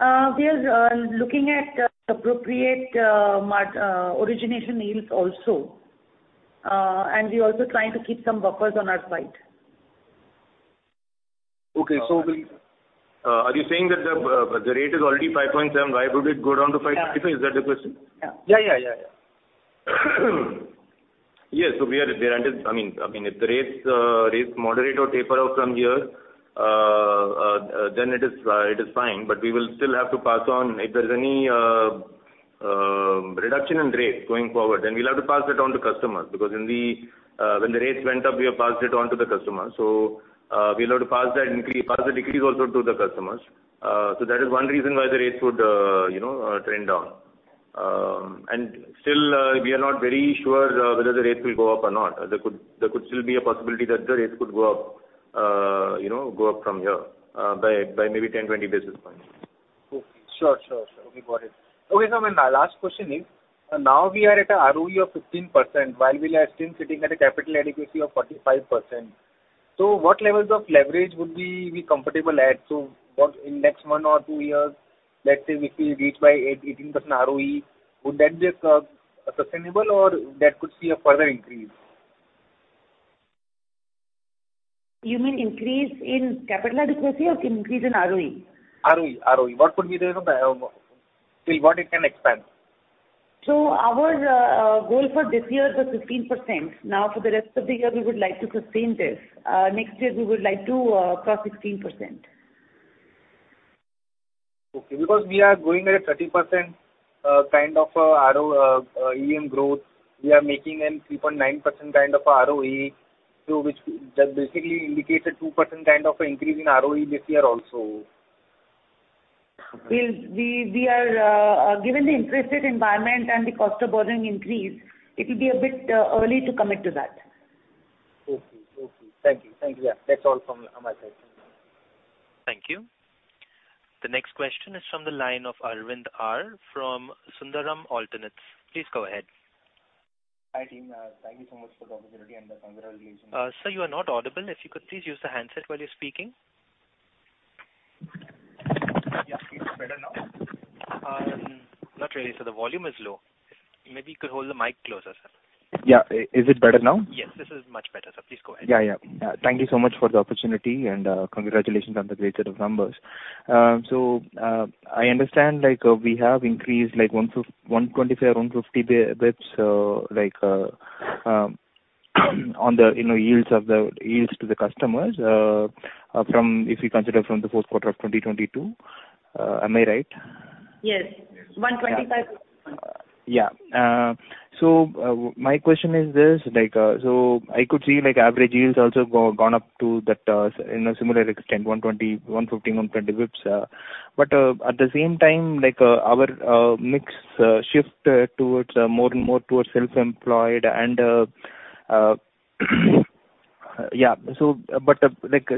Speaker 4: We are looking at appropriate origination yields also, and we are also trying to keep some buffers on our side.
Speaker 11: Okay.
Speaker 3: Are you saying that the rate is already 5.7%, why would it go down to 5.2%, is that the question?
Speaker 11: Yeah, yeah, yeah, yeah.
Speaker 3: Yes. We are, there aren't... I mean, I mean, if the rates, rates moderate or taper off from here, then it is, it is fine, but we will still have to pass on. If there's any reduction in rates going forward, then we'll have to pass that on to customers, because when we, when the rates went up, we have passed it on to the customers. We'll have to pass that increase, pass the decrease also to the customers. That is one reason why the rates would, you know, trend down. Still, we are not very sure whether the rates will go up or not. There could, there could still be a possibility that the rates could go up, you know, go up from here, by, by maybe 10, 20 basis points.
Speaker 11: Okay. Sure, sure, sure. We got it. My last question is, now we are at a ROE of 15%, while we are still sitting at a capital adequacy of 45%. What levels of leverage would we be comfortable at? What in next one or two years, let's say if we reach by 18% ROE, would that be a sustainable or there could be a further increase?
Speaker 4: You mean increase in capital adequacy or increase in ROE?
Speaker 11: ROE, ROE. What could be the, till what it can expand?
Speaker 4: Our goal for this year was 15%. For the rest of the year, we would like to sustain this. Next year, we would like to cross 16%.
Speaker 11: Okay, because we are growing at a 30%, kind of, AUM growth. We are making an 3.9% kind of ROE, which just basically indicates a 2% kind of increase in ROE this year also.
Speaker 4: We, we are, given the interest rate environment and the cost of borrowing increase, it will be a bit early to commit to that.
Speaker 11: Okay. Okay. Thank you. Thank you. Yeah, that's all from my side.
Speaker 1: Thank you. The next question is from the line of Arvind R from Sundaram Alternates. Please go ahead.
Speaker 12: Hi, team. Thank you so much for the opportunity and congratulations...
Speaker 1: Sir, you are not audible. If you could please use the handset while you're speaking.
Speaker 12: Yeah. Is it better now?
Speaker 1: Not really, sir. The volume is low. Maybe you could hold the mic closer, sir.
Speaker 12: Yeah. Is it better now?
Speaker 1: Yes, this is much better, sir. Please go ahead.
Speaker 12: Yeah, yeah. Thank you so much for the opportunity and congratulations on the great set of numbers. I understand we have increased 1 to 125, 150 basis points on the, you know, yields of the, yields to the customers, from if you consider from the fourth quarter of 2022. Am I right?
Speaker 4: Yes. 125 basis points.
Speaker 12: Yeah. My question is this: I could see average yields also gone up to that in a similar extent, 120, 150, 120 basis points. At the same time, our mix shift towards more and more towards self-employed.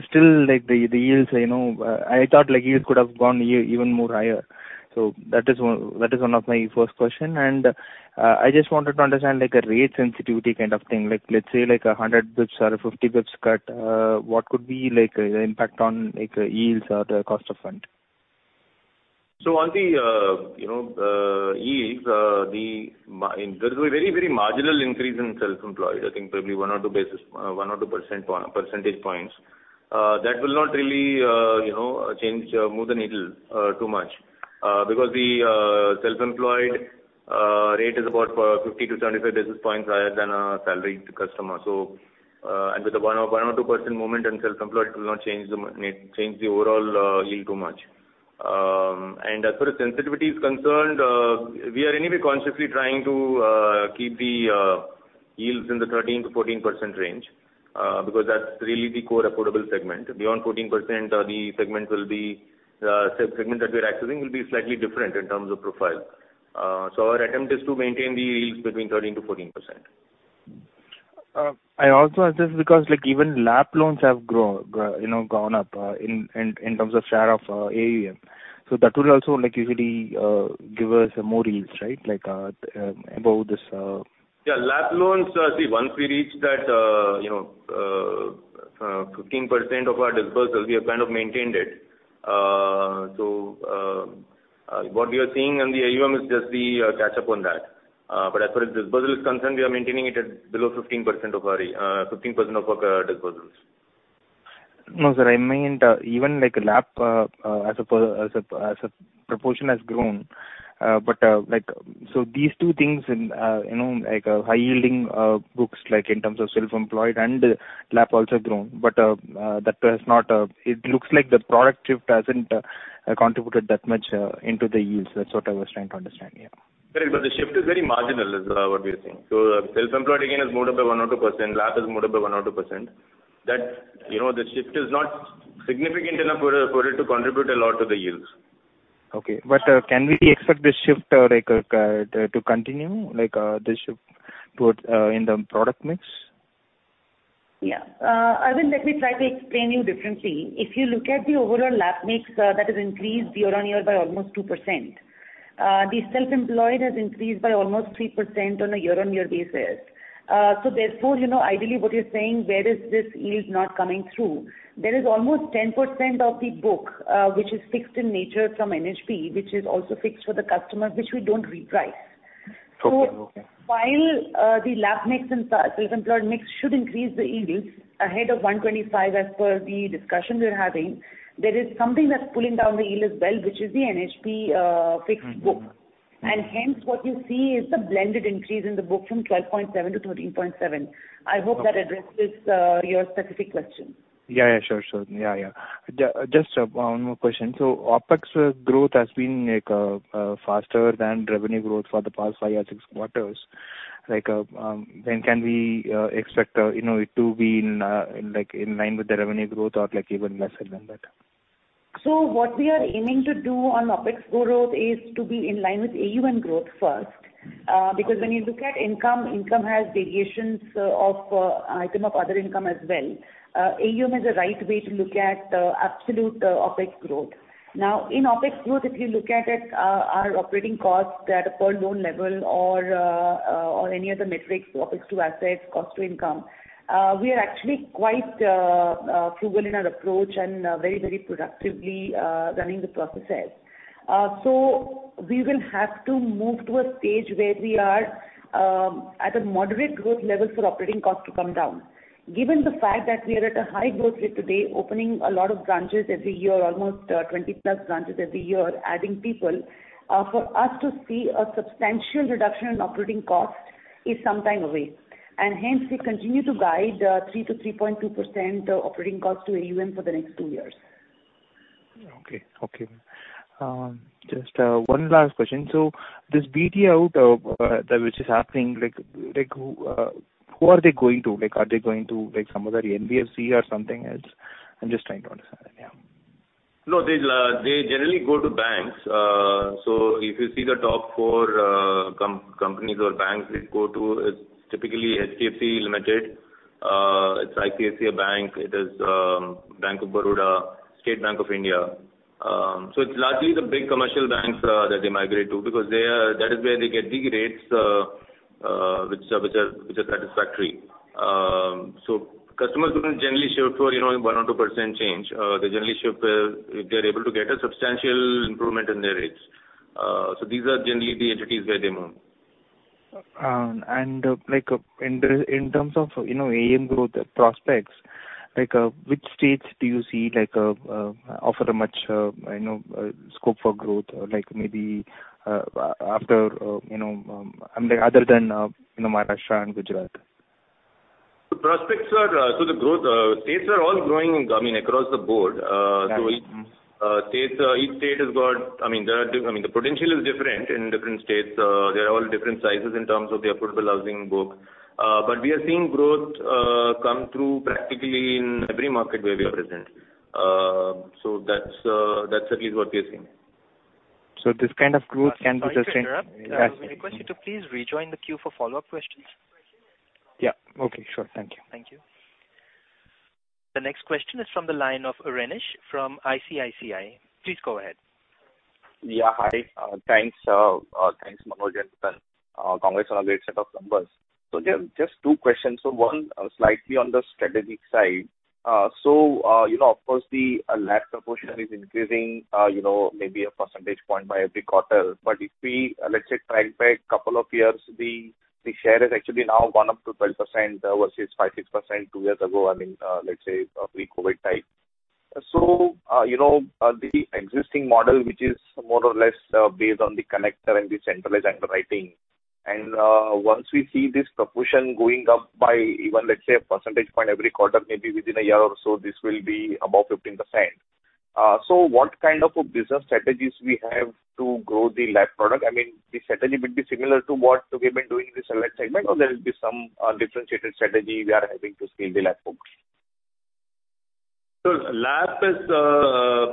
Speaker 12: Still, the yields, you know, I thought yields could have gone even more higher. That is one, that is one of my first question. I just wanted to understand a rate sensitivity kind of thing. Let's say, a 100 basis points or a 50 basis points cut, what could be the impact on yields or the cost of fund?
Speaker 3: On the, you know, yields, there is a very, very marginal increase in self-employed. I think probably one or two basis, 1 or 2 percentage points. That will not really, you know, change, move the needle too much, because the self-employed rate is about 50-75 basis points higher than a salaried customer. With the 1% or 2% movement in self-employed, it will not change the overall yield too much. As far as sensitivity is concerned, we are anyway consciously trying to keep the yields in the 13%-14% range, because that's really the core affordable segment. Beyond 14%, the segment will be, segment that we're accessing will be slightly different in terms of profile. Our attempt is to maintain the yields between 13%-14%.
Speaker 12: I also asked this because, like, even LAP loans have grow, you know, gone up in terms of share of AUM. That would also, like, usually give us more yields, right?
Speaker 3: Yeah, LAP loans, see, once we reach that, you know, 15% of our disbursements, we have kind of maintained it. What we are seeing in the AUM is just the catch up on that. As far as disbursement is concerned, we are maintaining it at below 15% of our, 15% of our disbursements.
Speaker 12: No, sir, I meant, even like a LAP, as a proportion has grown. Like... these two things in, you know, like, high yielding, books, like, in terms of self-employed and LAP also grown, but that has not, it looks like the product shift hasn't, contributed that much, into the yields. That's what I was trying to understand, yeah.
Speaker 3: Right. The shift is very marginal, is what we are seeing. Self-employed, again, is moved up by 1% or 2%. LAP is moved up by 1% or 2%. You know, the shift is not significant enough for, for it to contribute a lot to the yields.
Speaker 12: Okay. Can we expect this shift, like, to continue, like, this shift towards in the product mix?
Speaker 4: Yeah. Arvind, let me try to explain you differently. If you look at the overall LAP mix, that has increased year-on-year by almost 2%. The self-employed has increased by almost 3% on a year-on-year basis. Therefore, you know, ideally what you're saying, where is this yield not coming through? There is almost 10% of the book, which is fixed in nature from NHB, which is also fixed for the customers, which we don't reprice.
Speaker 12: Okay, okay.
Speaker 4: While the LAP mix and self-employed mix should increase the yields ahead of 125 basis points, as per the discussion we're having, there is something that's pulling down the yield as well, which is the NHB fixed book.
Speaker 12: Mm-hmm.
Speaker 4: Hence, what you see is the blended increase in the book from 12.7% to 13.7%.
Speaker 12: Okay.
Speaker 4: I hope that addresses your specific question.
Speaker 12: Yeah, yeah, sure, sure. Yeah, yeah. Just one more question. OpEx growth has been, like, faster than revenue growth for the past five or six quarters. Like, when can we expect, you know, it to be in, like, in line with the revenue growth or, like, even lesser than that?
Speaker 4: What we are aiming to do on OpEx growth is to be in line with AUM growth first.
Speaker 12: Okay.
Speaker 4: Because when you look at income, income has variations of item of other income as well. AUM is the right way to look at absolute OpEx growth. Now, in OpEx growth, if you look at it, our operating costs at a per loan level or any other metrics, OpEx to Assets, Cost to Income, we are actually quite frugal in our approach and very, very productively running the processes. We will have to move to a stage where we are at a moderate growth level for operating costs to come down. Given the fact that we are at a high growth rate today, opening a lot of branches every year, almost 20+ branches every year, adding people, for us to see a substantial reduction in operating costs is some time away. Hence, we continue to guide, 3%-3.2% operating costs to AUM for the next two years.
Speaker 12: Okay. Okay. Just one last question. This BT out, that which is happening, like, like, who are they going to? Like, are they going to, like, some other NBFC or something else? I'm just trying to understand, yeah.
Speaker 3: No, they generally go to banks. If you see the top four com- companies or banks, they go to typically HDFC Limited, it's ICICI Bank, it is Bank of Baroda, State Bank of India. It's largely the big commercial banks that they migrate to, because that is where they get the rates which are, which are, which are satisfactory. Customers wouldn't generally shift for, you know, 1% or 2% change. They generally shift if they're able to get a substantial improvement in their rates. These are generally the entities where they move.
Speaker 12: In the, in terms of, you know, AUM growth prospects, which states do you see offer a much, you know, scope for growth? Or maybe, after, you know, I mean, other than, you know, Maharashtra and Gujarat.
Speaker 3: The prospects are, so the growth states are all growing, I mean, across the board.
Speaker 12: Right.
Speaker 3: Each, state, each state has got, I mean, there are I mean, the potential is different in different states. They are all different sizes in terms of the affordable housing book. We are seeing growth, come through practically in every market where we are present. That's, that's at least what we are seeing.
Speaker 12: This kind of growth can be the same-
Speaker 1: Sorry to interrupt. May I request you to please rejoin the queue for follow-up questions?
Speaker 12: Yeah. Okay, sure. Thank you.
Speaker 1: Thank you. The next question is from the line of Renish, from ICICI. Please go ahead.
Speaker 13: Yeah, hi. Thanks. Thanks, Manoj and Nutan. Congrats on a great set of numbers. Just two questions. One, slightly on the strategic side. You know, of course, the LAP proportion is increasing, you know, maybe a percentage point by every quarter. If we, let's say, track back couple of years, the share has actually now gone up to 12%, versus 5%-6% two years ago, I mean, let's say, pre-COVID time. You know, the existing model, which is more or less based on the connector and the centralized underwriting, and once we see this proportion going up by even, let's say, a percentage point every quarter, maybe within a year or so, this will be above 15%. What kind of a business strategies we have to grow the LAP product? I mean, the strategy would be similar to what we've been doing in the segment, or there will be some differentiated strategy we are having to scale the LAP book?
Speaker 3: LAP is,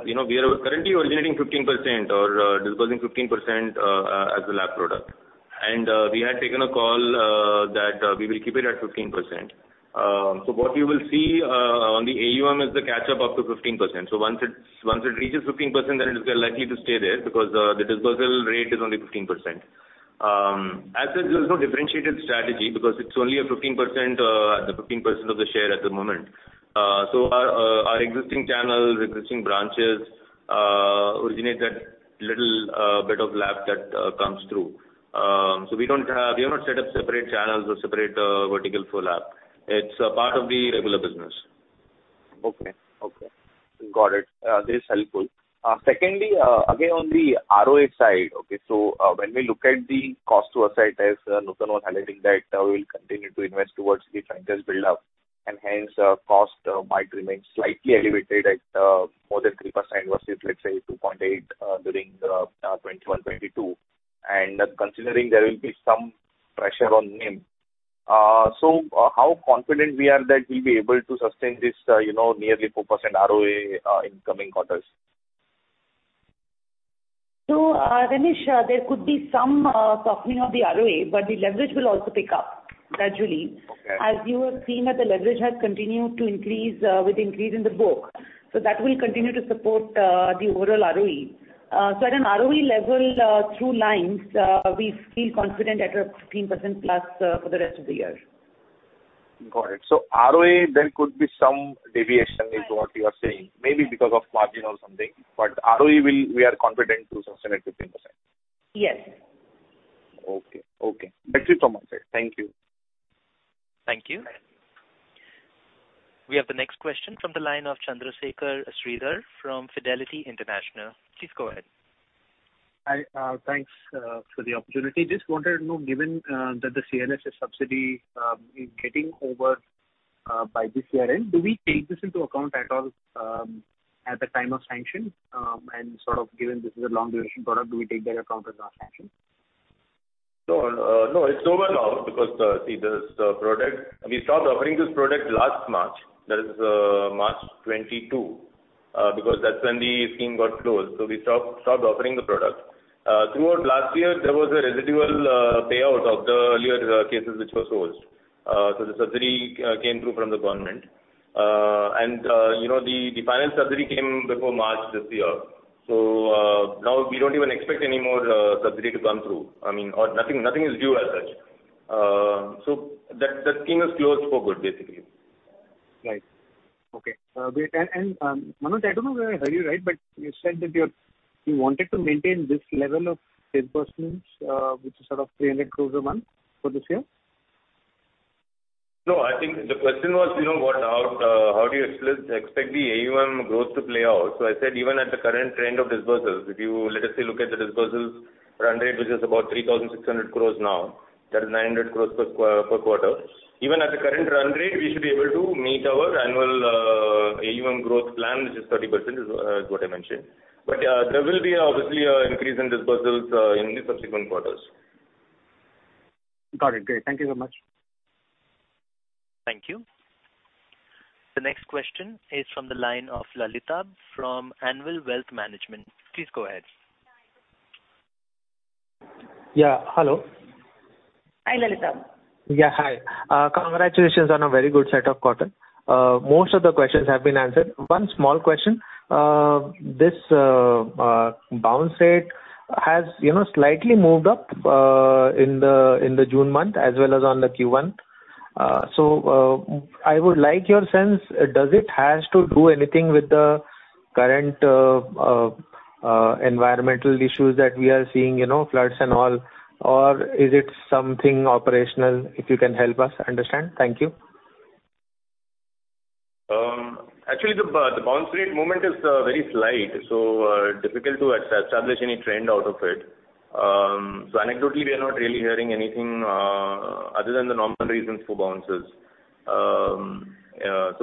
Speaker 3: you know, we are currently originating 15% or disbursing 15% as a LAP product. we had taken a call that we will keep it at 15%. What you will see on the AUM is the catch-up up to 15%. Once it reaches 15%, then it is likely to stay there, because the dispersal rate is only 15%. As such, there's no differentiated strategy because it's only a 15%, the 15% of the share at the moment. Our existing channels, existing branches, originate that little bit of LAP that comes through. We have not set up separate channels or separate vertical for LAP. It's a part of the regular business.
Speaker 13: Okay. Okay, got it. This is helpful. Secondly, again, on the ROA side, okay, when we look at the cost to asset as Nutan was highlighting that, we'll continue to invest towards the branches build up, and hence, cost might remain slightly elevated at more than 3% versus, let's say, 2.8% during 2021-2022. Considering there will be some pressure on NIM. How confident we are that we'll be able to sustain this, you know, nearly 4% ROA in coming quarters?
Speaker 4: Renish, there could be some softening of the ROA, but the leverage will also pick up gradually.
Speaker 13: Okay.
Speaker 4: As you have seen that the leverage has continued to increase, with increase in the book. That will continue to support the overall ROE. At an ROE level, through lines, we feel confident at a 15%+ for the rest of the year.
Speaker 13: Got it. ROA, there could be some deviation-
Speaker 4: Right.
Speaker 13: -is what you are saying, maybe because of margin or something, but ROE will, we are confident to sustain at 15%.
Speaker 4: Yes.
Speaker 13: Okay. Okay. That's it from my side. Thank you.
Speaker 1: Thank you. We have the next question from the line of Chandrasekhar Sridhar, from Fidelity International. Please go ahead.
Speaker 14: Hi, thanks, for the opportunity. Just wanted to know, given, that the CLSS subsidy, is getting over, by this year end, do we take this into account at all, at the time of sanction? Sort of given this is a long-duration product, do we take that account as our sanction?
Speaker 3: No, no, it's over now because this product, we stopped offering this product last March, that is, March 2022, because that's when the scheme got closed. We stopped, stopped offering the product. Throughout last year, there was a residual payout of the earlier cases which were closed. The subsidy came through from the government. You know, the final subsidy came before March this year. Now we don't even expect any more subsidy to come through. I mean, nothing, nothing is due as such. That, that scheme is closed for good, basically.
Speaker 14: Right. Okay. wait, and, and, Manoj, I don't know if I heard you right, but you said that you wanted to maintain this level of disbursements, which is sort of 300 crore a month, for this year?
Speaker 3: I think the question was, you know, what, how do you expect the AUM growth to play out? I said even at the current trend of disbursements, if you, let us say, look at the disbursements run rate, which is about 3,600 crore now, that is 900 crore per quarter. Even at the current run rate, we should be able to meet our annual AUM growth plan, which is 30%, is what I mentioned. There will be obviously an increase in disbursements in the subsequent quarters.
Speaker 14: Got it. Great. Thank you so much.
Speaker 1: Thank you. The next question is from the line of Lalitabh from Anvil Wealth Management. Please go ahead.
Speaker 15: Yeah. Hello?
Speaker 4: Hi, Lalitab.
Speaker 15: Yeah, hi. Congratulations on a very good set of quarter. Most of the questions have been answered. One small question. This bounce rate has, you know, slightly moved up in the June month, as well as on the Q1. I would like your sense, does it has to do anything with the current environmental issues that we are seeing, you know, floods and all? Or is it something operational, if you can help us understand? Thank you.
Speaker 3: Actually, the, the bounce rate movement is very slight, so difficult to establish any trend out of it. Anecdotally, we are not really hearing anything other than the normal reasons for bounces.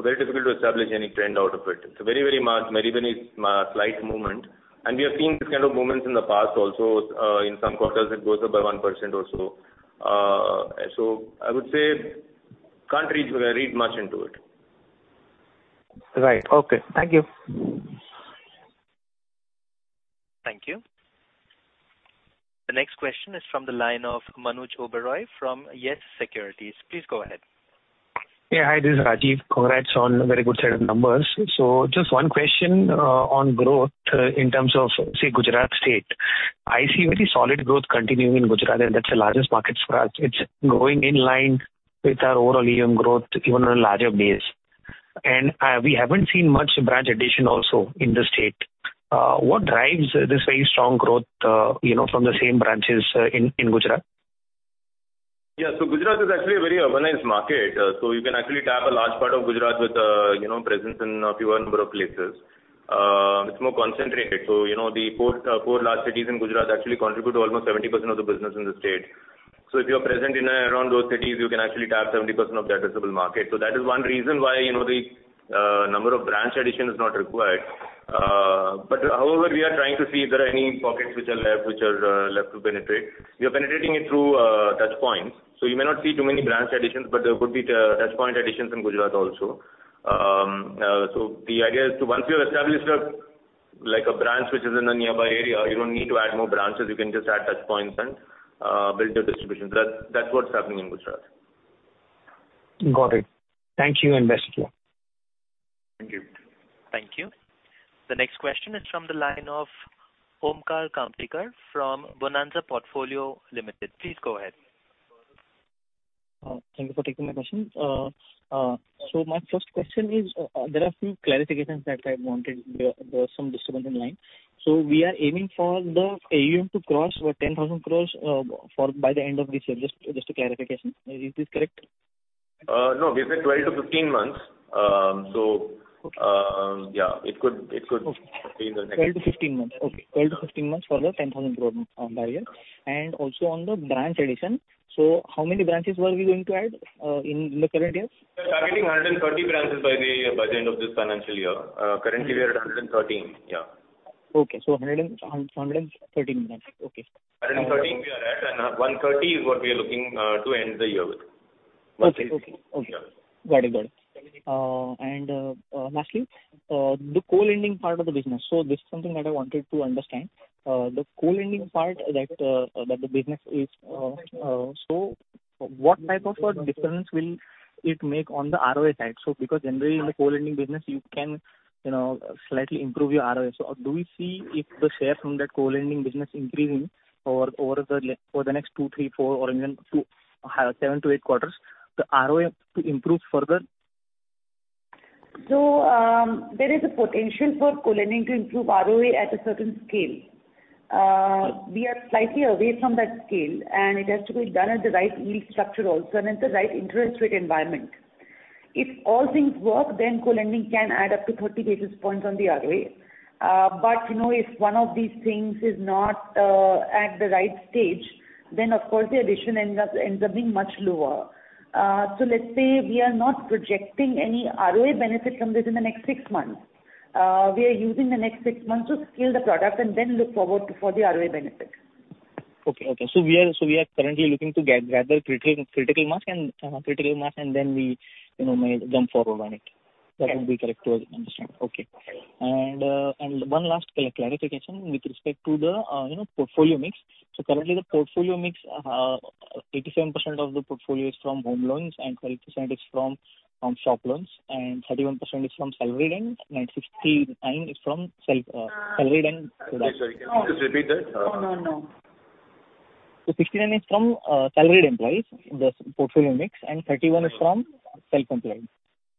Speaker 3: Very difficult to establish any trend out of it. It's a very, very mark, very, very slight movement, and we have seen this kind of movements in the past also, in some quarters it goes up by 1% or so. I would say, can't read, read much into it.
Speaker 15: Right. Okay. Thank you.
Speaker 1: Thank you. The next question is from the line of Manoj Oberoi from YES SECURITIES. Please go ahead.
Speaker 16: Yeah, hi, this is Rajiv. Congrats on a very good set of numbers. Just one question on growth in terms of, say, Gujarat state. I see very solid growth continuing in Gujarat, and that's the largest market for us. It's growing in line with our overall AUM growth, even on a larger base. We haven't seen much branch addition also in the state. What drives this very strong growth, you know, from the same branches in Gujarat?
Speaker 3: Yeah. Gujarat is actually a very urbanized market, so you can actually tap a large part of Gujarat with, you know, presence in a fewer number of places. It's more concentrated. You know, the four, four large cities in Gujarat actually contribute to almost 70% of the business in the state. If you're present in around those cities, you can actually tap 70% of the addressable market. That is one reason why, you know, the number of branch addition is not required. However, we are trying to see if there are any pockets which are left, which are left to penetrate. We are penetrating it through touch points, so you may not see too many branch additions, but there could be touch point additions in Gujarat also. The idea is to once you have established a, like a branch which is in a nearby area, you don't need to add more branches. You can just add touchpoints and build your distribution. That's, that's what's happening in Gujarat.
Speaker 16: Got it. Thank you, and best luck.
Speaker 3: Thank you.
Speaker 1: Thank you. The next question is from the line of Omkar Kamtikar from Bonanza Portfolio Limited. Please go ahead.
Speaker 17: Thank you for taking my question. My first question is, there are a few clarifications that I wanted. There was some disturbance in line. We are aiming for the AUM to cross over 10,000 crore by the end of this year. Just a clarification. Is this correct?
Speaker 3: No, we said 12-15 months.
Speaker 17: Okay.
Speaker 3: Yeah, it could, it could-
Speaker 17: Okay.
Speaker 3: Be in the next-
Speaker 17: 12-15 months. Okay. 12-15 months for the 10,000 crore barrier. Also on the branch addition. How many branches were we going to add in the current years?
Speaker 3: We're targeting 130 branches by the end of this financial year. Currently, we are at 113. Yeah.
Speaker 17: Okay, 113 branches. Okay.
Speaker 3: 113 we are at, and 130 is what we are looking to end the year with.
Speaker 17: Okay, okay.
Speaker 3: Yeah.
Speaker 17: Got it, got it. lastly, the co-lending part of the business. This is something that I wanted to understand. The co-lending part that the business is, what type of a difference will it make on the ROA side? Because generally in the co-lending business, you can, you know, slightly improve your ROA. Do we see if the share from that co-lending business increasing over, over the, over the next two, three, four or even to seven to eight quarters, the ROA to improve further?
Speaker 4: There is a potential for co-lending to improve ROA at a certain scale. We are slightly away from that scale, and it has to be done at the right yield structure also, and at the right interest rate environment. If all things work, then co-lending can add up to 30 basis points on the ROA. You know, if one of these things is not, at the right stage, then, of course, the addition ends up, ends up being much lower. Let's say we are not projecting any ROA benefit from this in the next six months. We are using the next six months to scale the product and then look forward for the ROA benefit.
Speaker 17: Okay, okay. We are currently looking to get rather critical, critical mass and critical mass, and then we, you know, may jump forward on it. That would be correct to understand. Okay. One last clarification with respect to the, you know, portfolio mix. Currently, the portfolio mix, 87% of the portfolio is from home loans, and 12% is from shop loans, and 31% is from salaried, and 69% is from self, salaried and-
Speaker 3: Sorry, can you just repeat that?
Speaker 4: No, no, no.
Speaker 17: 69% is from salaried employees, the portfolio mix, and 31% is from self-employed.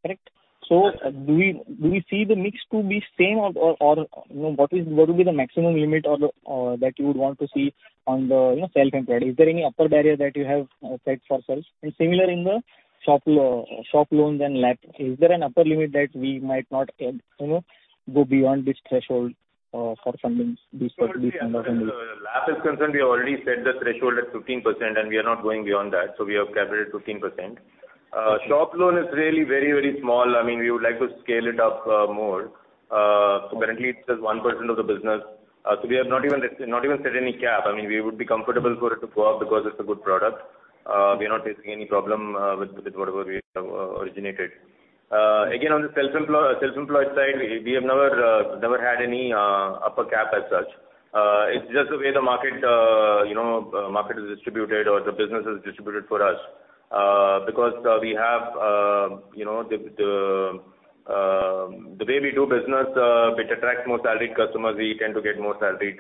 Speaker 17: Correct? Do we, do we see the mix to be same or, you know, what is, what would be the maximum limit that you would want to see on the, you know, self-employed? Is there any upper barrier that you have set for sales? Similar in the shop loans and LAP, is there an upper limit that we might not, you know, go beyond this threshold for funding these.
Speaker 3: As far as LAP is concerned, we already set the threshold at 15%, and we are not going beyond that. We have capped it at 15%. Shop loan is really very, very small. I mean, we would like to scale it up more. Currently, it's just 1% of the business. We have not even set any cap. I mean, we would be comfortable for it to go up because it's a good product. We are not facing any problem with whatever we have originated. Again, on the self-employed side, we have never had any upper cap as such. It's just the way the market, you know, market is distributed or the business is distributed for us. Because, we have, you know, the, the, the way we do business, which attracts more salaried customers, we tend to get more salaried,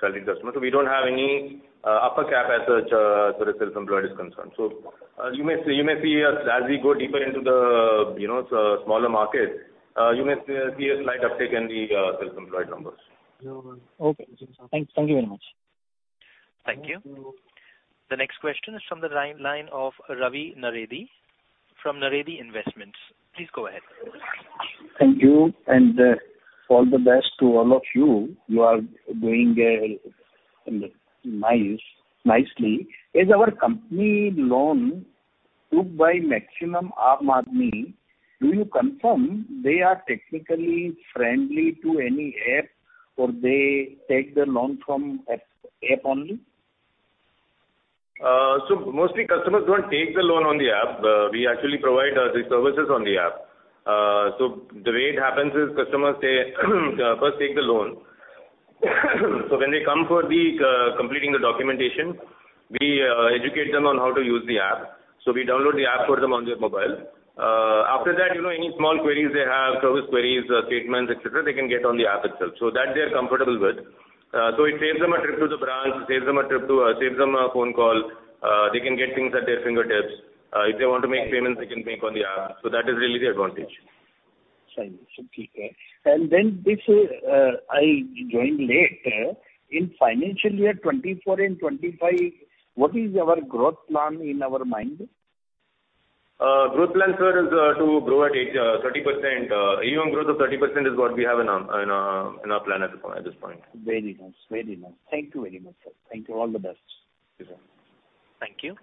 Speaker 3: salaried customers. We don't have any upper cap as such, as far as self-employed is concerned. You may see, you may see as, as we go deeper into the, you know, smaller markets, you may see a slight uptick in the self-employed numbers.
Speaker 17: Okay. Thank you very much.
Speaker 1: Thank you. The next question is from the line, line of Ravi Naredi, from Naredi Investments. Please go ahead.
Speaker 18: Thank you, and all the best to all of you. You are doing nice, nicely. Is our company loan took by maximum Aam Aadmi? Do you confirm they are technically friendly to any app, or they take the loan from app, app only?
Speaker 3: Mostly customers don't take the loan on the app. We actually provide the services on the app. The way it happens is customers say, first take the loan. When they come for the completing the documentation, we educate them on how to use the app. We download the app for them on their mobile. After that, you know, any small queries they have, service queries, statements, et cetera, they can get on the app itself. That they are comfortable with. It saves them a trip to the branch, it saves them a trip to, saves them a phone call. They can get things at their fingertips. If they want to make payments, they can make on the app. That is really the advantage.
Speaker 18: Fine. Okay. This, I joined late. In financial year 2024 and 2025, what is our growth plan in our mind?
Speaker 3: Growth plan, sir, is to grow at 30%. AUM growth of 30% is what we have in our, in our, in our plan at this point, at this point.
Speaker 18: Very nice. Very nice. Thank you very much, sir. Thank you. All the best.
Speaker 3: Thank you, sir.
Speaker 1: Thank you.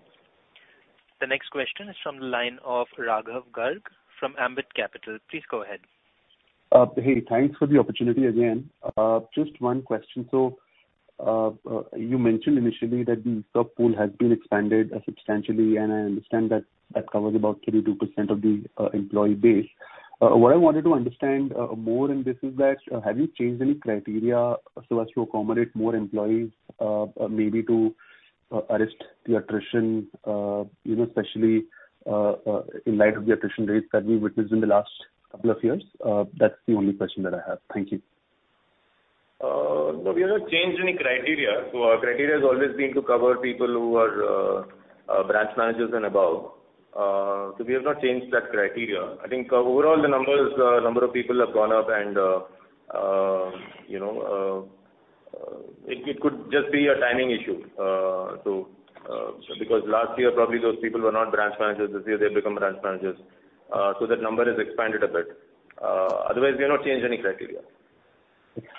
Speaker 1: The next question is from the line of Raghav Garg from Ambit Capital. Please go ahead.
Speaker 7: Hey, thanks for the opportunity again. Just one question: you mentioned initially that the stock pool has been expanded substantially, and I understand that that covers about 32% of the employee base. What I wanted to understand more in this is that, have you changed any criteria so as to accommodate more employees, maybe to arrest the attrition, you know, especially in light of the attrition rates that we witnessed in the last couple of years? That's the only question that I have. Thank you.
Speaker 3: No, we have not changed any criteria. So our criteria has always been to cover people who are branch managers and above. So we have not changed that criteria. I think overall the numbers, number of people have gone up and, you know, it could just be a timing issue. So because last year, probably those people were not branch managers, this year they've become branch managers. So that number has expanded a bit. Otherwise, we have not changed any criteria.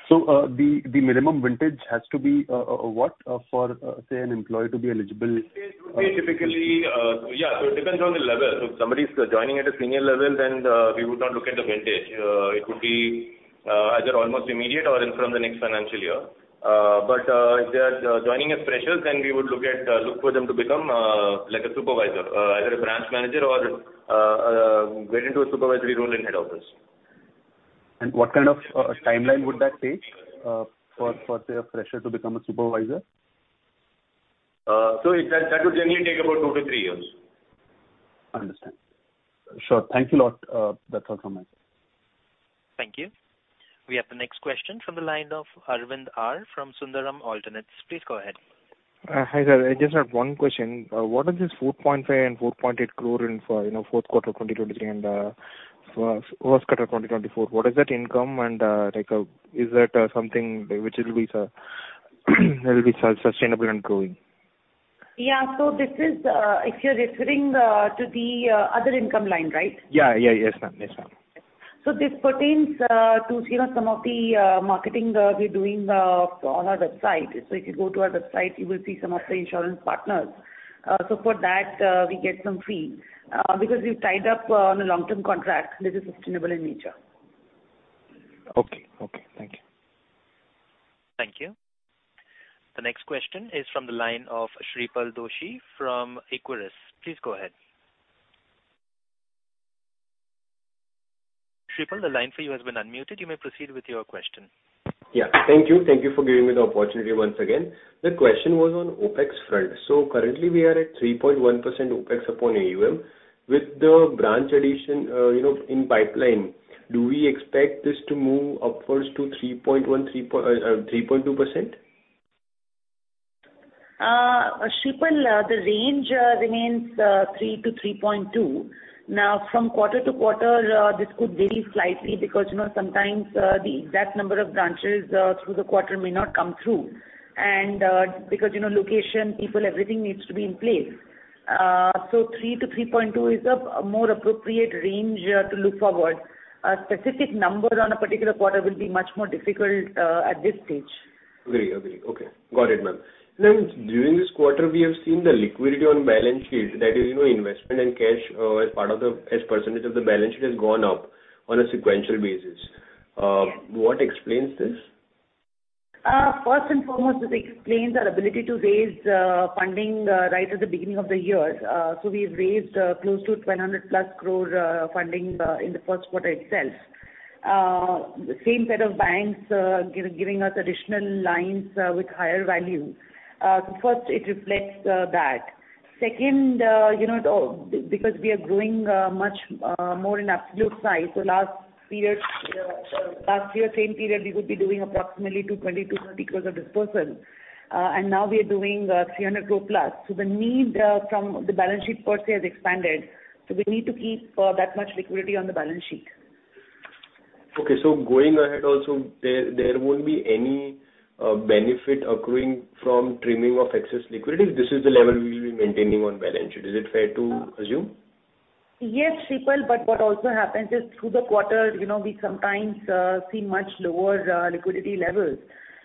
Speaker 7: The, the minimum vintage has to be, what, for, say, an employee to be eligible?
Speaker 3: It would be typically. It depends on the level. If somebody's joining at a senior level, then we would not look at the vintage. It would be either almost immediate or in from the next financial year. If they are joining as freshers, then we would look at, look for them to become like a supervisor, either a branch manager or get into a supervisory role in head office.
Speaker 7: What kind of timeline would that take for say, a fresher to become a supervisor?
Speaker 3: That, that would generally take about two-three years.
Speaker 7: Understand. Sure. Thank you a lot. That's all from my side.
Speaker 1: Thank you. We have the next question from the line of Arvind R from Sundaram Alternates. Please go ahead.
Speaker 12: Hi there. I just have one question. What is this 4.5 crore and 4.8 crore in for, you know, fourth quarter 2023 and Q1 2024? What is that income and, like, is that something which will be sustainable and growing?
Speaker 4: Yeah. This is, if you're referring, to the other income line, right?
Speaker 12: Yeah, yeah. Yes, ma'am. Yes, ma'am.
Speaker 4: This pertains, you know, to some of the marketing we're doing on our website. If you go to our website, you will see some of the insurance partners. For that, we get some fee because we've tied up on a long-term contract that is sustainable in nature.
Speaker 12: Okay. Okay. Thank you.
Speaker 1: Thank you. The next question is from the line of Shreepal Doshi from Equirus. Please go ahead. Shreepal, the line for you has been unmuted. You may proceed with your question.
Speaker 6: Yeah. Thank you. Thank you for giving me the opportunity once again. The question was on OpEx front. Currently, we are at 3.1% OpEx upon AUM. With the branch addition, you know, in pipeline, do we expect this to move upwards to 3.1%, 3.2%?
Speaker 4: Shreepal, the range remains 3%-3.2%. Now, from quarter-to-quarter, this could vary slightly because, you know, sometimes, the exact number of branches through the quarter may not come through. Because, you know, location, people, everything needs to be in place. So 3%-3.2% is a more appropriate range to look forward. A specific number on a particular quarter will be much more difficult at this stage.
Speaker 6: Agree, agree. Okay. Got it, ma'am. During this quarter, we have seen the liquidity on balance sheet, that is, you know, investment and cash, as part of the, as percent of the balance sheet has gone up on a sequential basis. What explains this?
Speaker 4: First and foremost, this explains our ability to raise funding right at the beginning of the year. We've raised close to 200+ crore funding in the first quarter itself. The same set of banks giving us additional lines with higher value. First, it reflects that. Second, you know, though, because we are growing much more in absolute size, last period, last year, same period, we would be doing approximately 220 crore-230 crore of disbursements. Now we are doing 300 crore+. The need from the balance sheet per se has expanded, we need to keep that much liquidity on the balance sheet.
Speaker 6: Okay, going ahead also, there, there won't be any benefit accruing from trimming of excess liquidity? This is the level we will be maintaining on balance sheet. Is it fair to assume?
Speaker 4: Yes, Shreepal, what also happens is through the quarter, you know, we sometimes see much lower liquidity levels.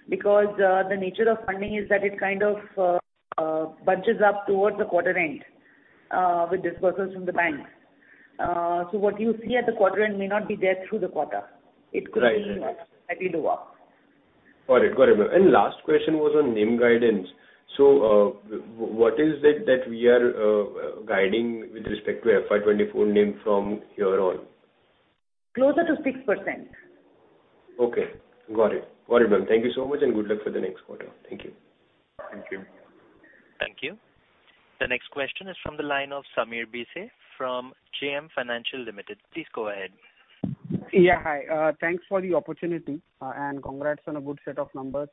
Speaker 4: The nature of funding is that it kind of bunches up towards the quarter end with disbursements from the banks. What you see at the quarter end may not be there through the quarter.
Speaker 6: Right.
Speaker 4: It could be slightly lower.
Speaker 6: Got it. Got it, ma'am. Last question was on NIM guidance. What is it that we are guiding with respect to FY 2024 NIM from here on?
Speaker 4: Closer to 6%.
Speaker 6: Okay, got it. Got it, ma'am. Thank you so much, and good luck for the next quarter. Thank you.
Speaker 3: Thank you.
Speaker 1: Thank you. The next question is from the line of Sameer Bhise from JM Financial Limited. Please go ahead.
Speaker 19: Yeah, hi. Thanks for the opportunity, and congrats on a good set of numbers.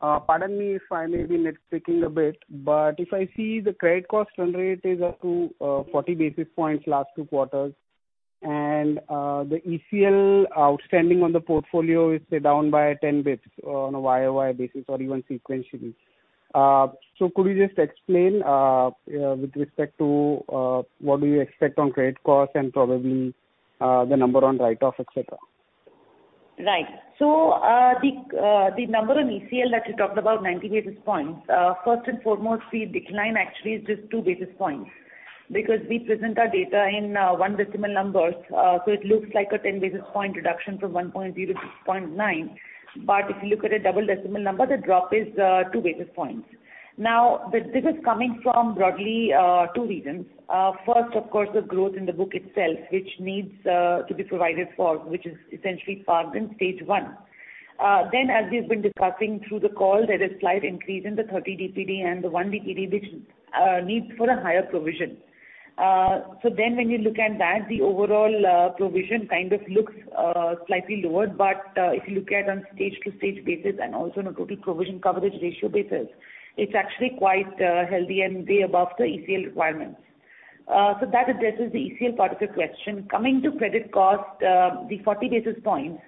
Speaker 19: Pardon me if I may be nitpicking a bit, but if I see the credit cost run rate is up to 40 basis points last two quarters, and the ECL outstanding on the portfolio is, say, down by 10 basis points on a YoY basis or even sequentially. Could you just explain with respect to what do you expect on credit costs and probably the number on write-off, et cetera?
Speaker 4: Right. The number on ECL that you talked about, 90 basis points. First and foremost, the decline actually is just 2 basis points, because we present our data in one decimal numbers, so it looks like a 10 basis point reduction from 1.0 basis points to 0.9 basis points. If you look at a double decimal number, the drop is 2 basis points. Now, this, this is coming from broadly two reasons. First, of course, the growth in the book itself, which needs to be provided for, which is essentially parked in stage one. Then, as we've been discussing through the call, there is slight increase in the 30 DPD and the 1 DPD, which needs for a higher provision. Then the overall provision kind of looks slightly lower. But if you look at on stage to stage basis and also on a total provision coverage ratio basis, it's actually quite healthy and way above the ECL requirements. That addresses the ECL part of your question. Coming to credit cost, the 40 basis points,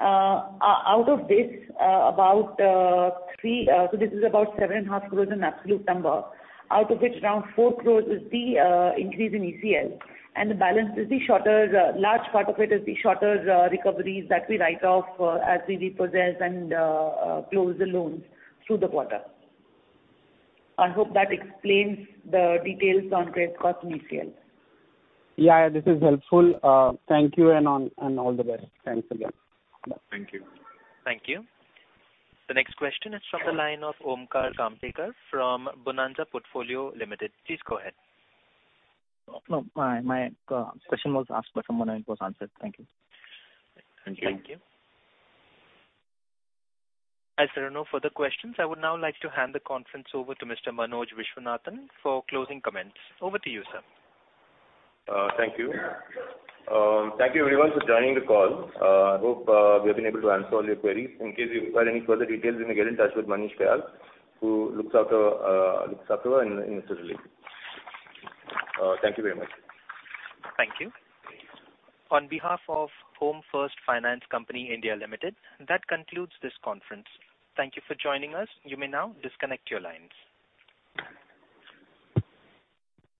Speaker 4: out of this, about, so this is about 7.5 crore in absolute number, out of which around 4 crore is the increase in ECL, and the balance is the shorter, large part of it is the shorter recoveries that we write off as we repossess and close the loans through the quarter. I hope that explains the details on credit cost and ECL
Speaker 19: Yeah, this is helpful. Thank you and all the best. Thanks again.
Speaker 3: Thank you.
Speaker 1: Thank you. The next question is from the line of Omkar Kamtikar from Bonanza Portfolio Limited. Please go ahead.
Speaker 17: No, my, my, question was asked by someone and it was answered. Thank you. Thank you.
Speaker 1: Thank you. As there are no further questions, I would now like to hand the conference over to Mr. Manoj Viswanathan for closing comments. Over to you, sir.
Speaker 3: Thank you. Thank you everyone for joining the call. I hope we have been able to answer all your queries. In case you require any further details, you may get in touch with Manish Kayal, who looks after in this release. Thank you very much.
Speaker 1: Thank you. On behalf of Home First Finance Company India Limited, that concludes this conference. Thank you for joining us. You may now disconnect your lines.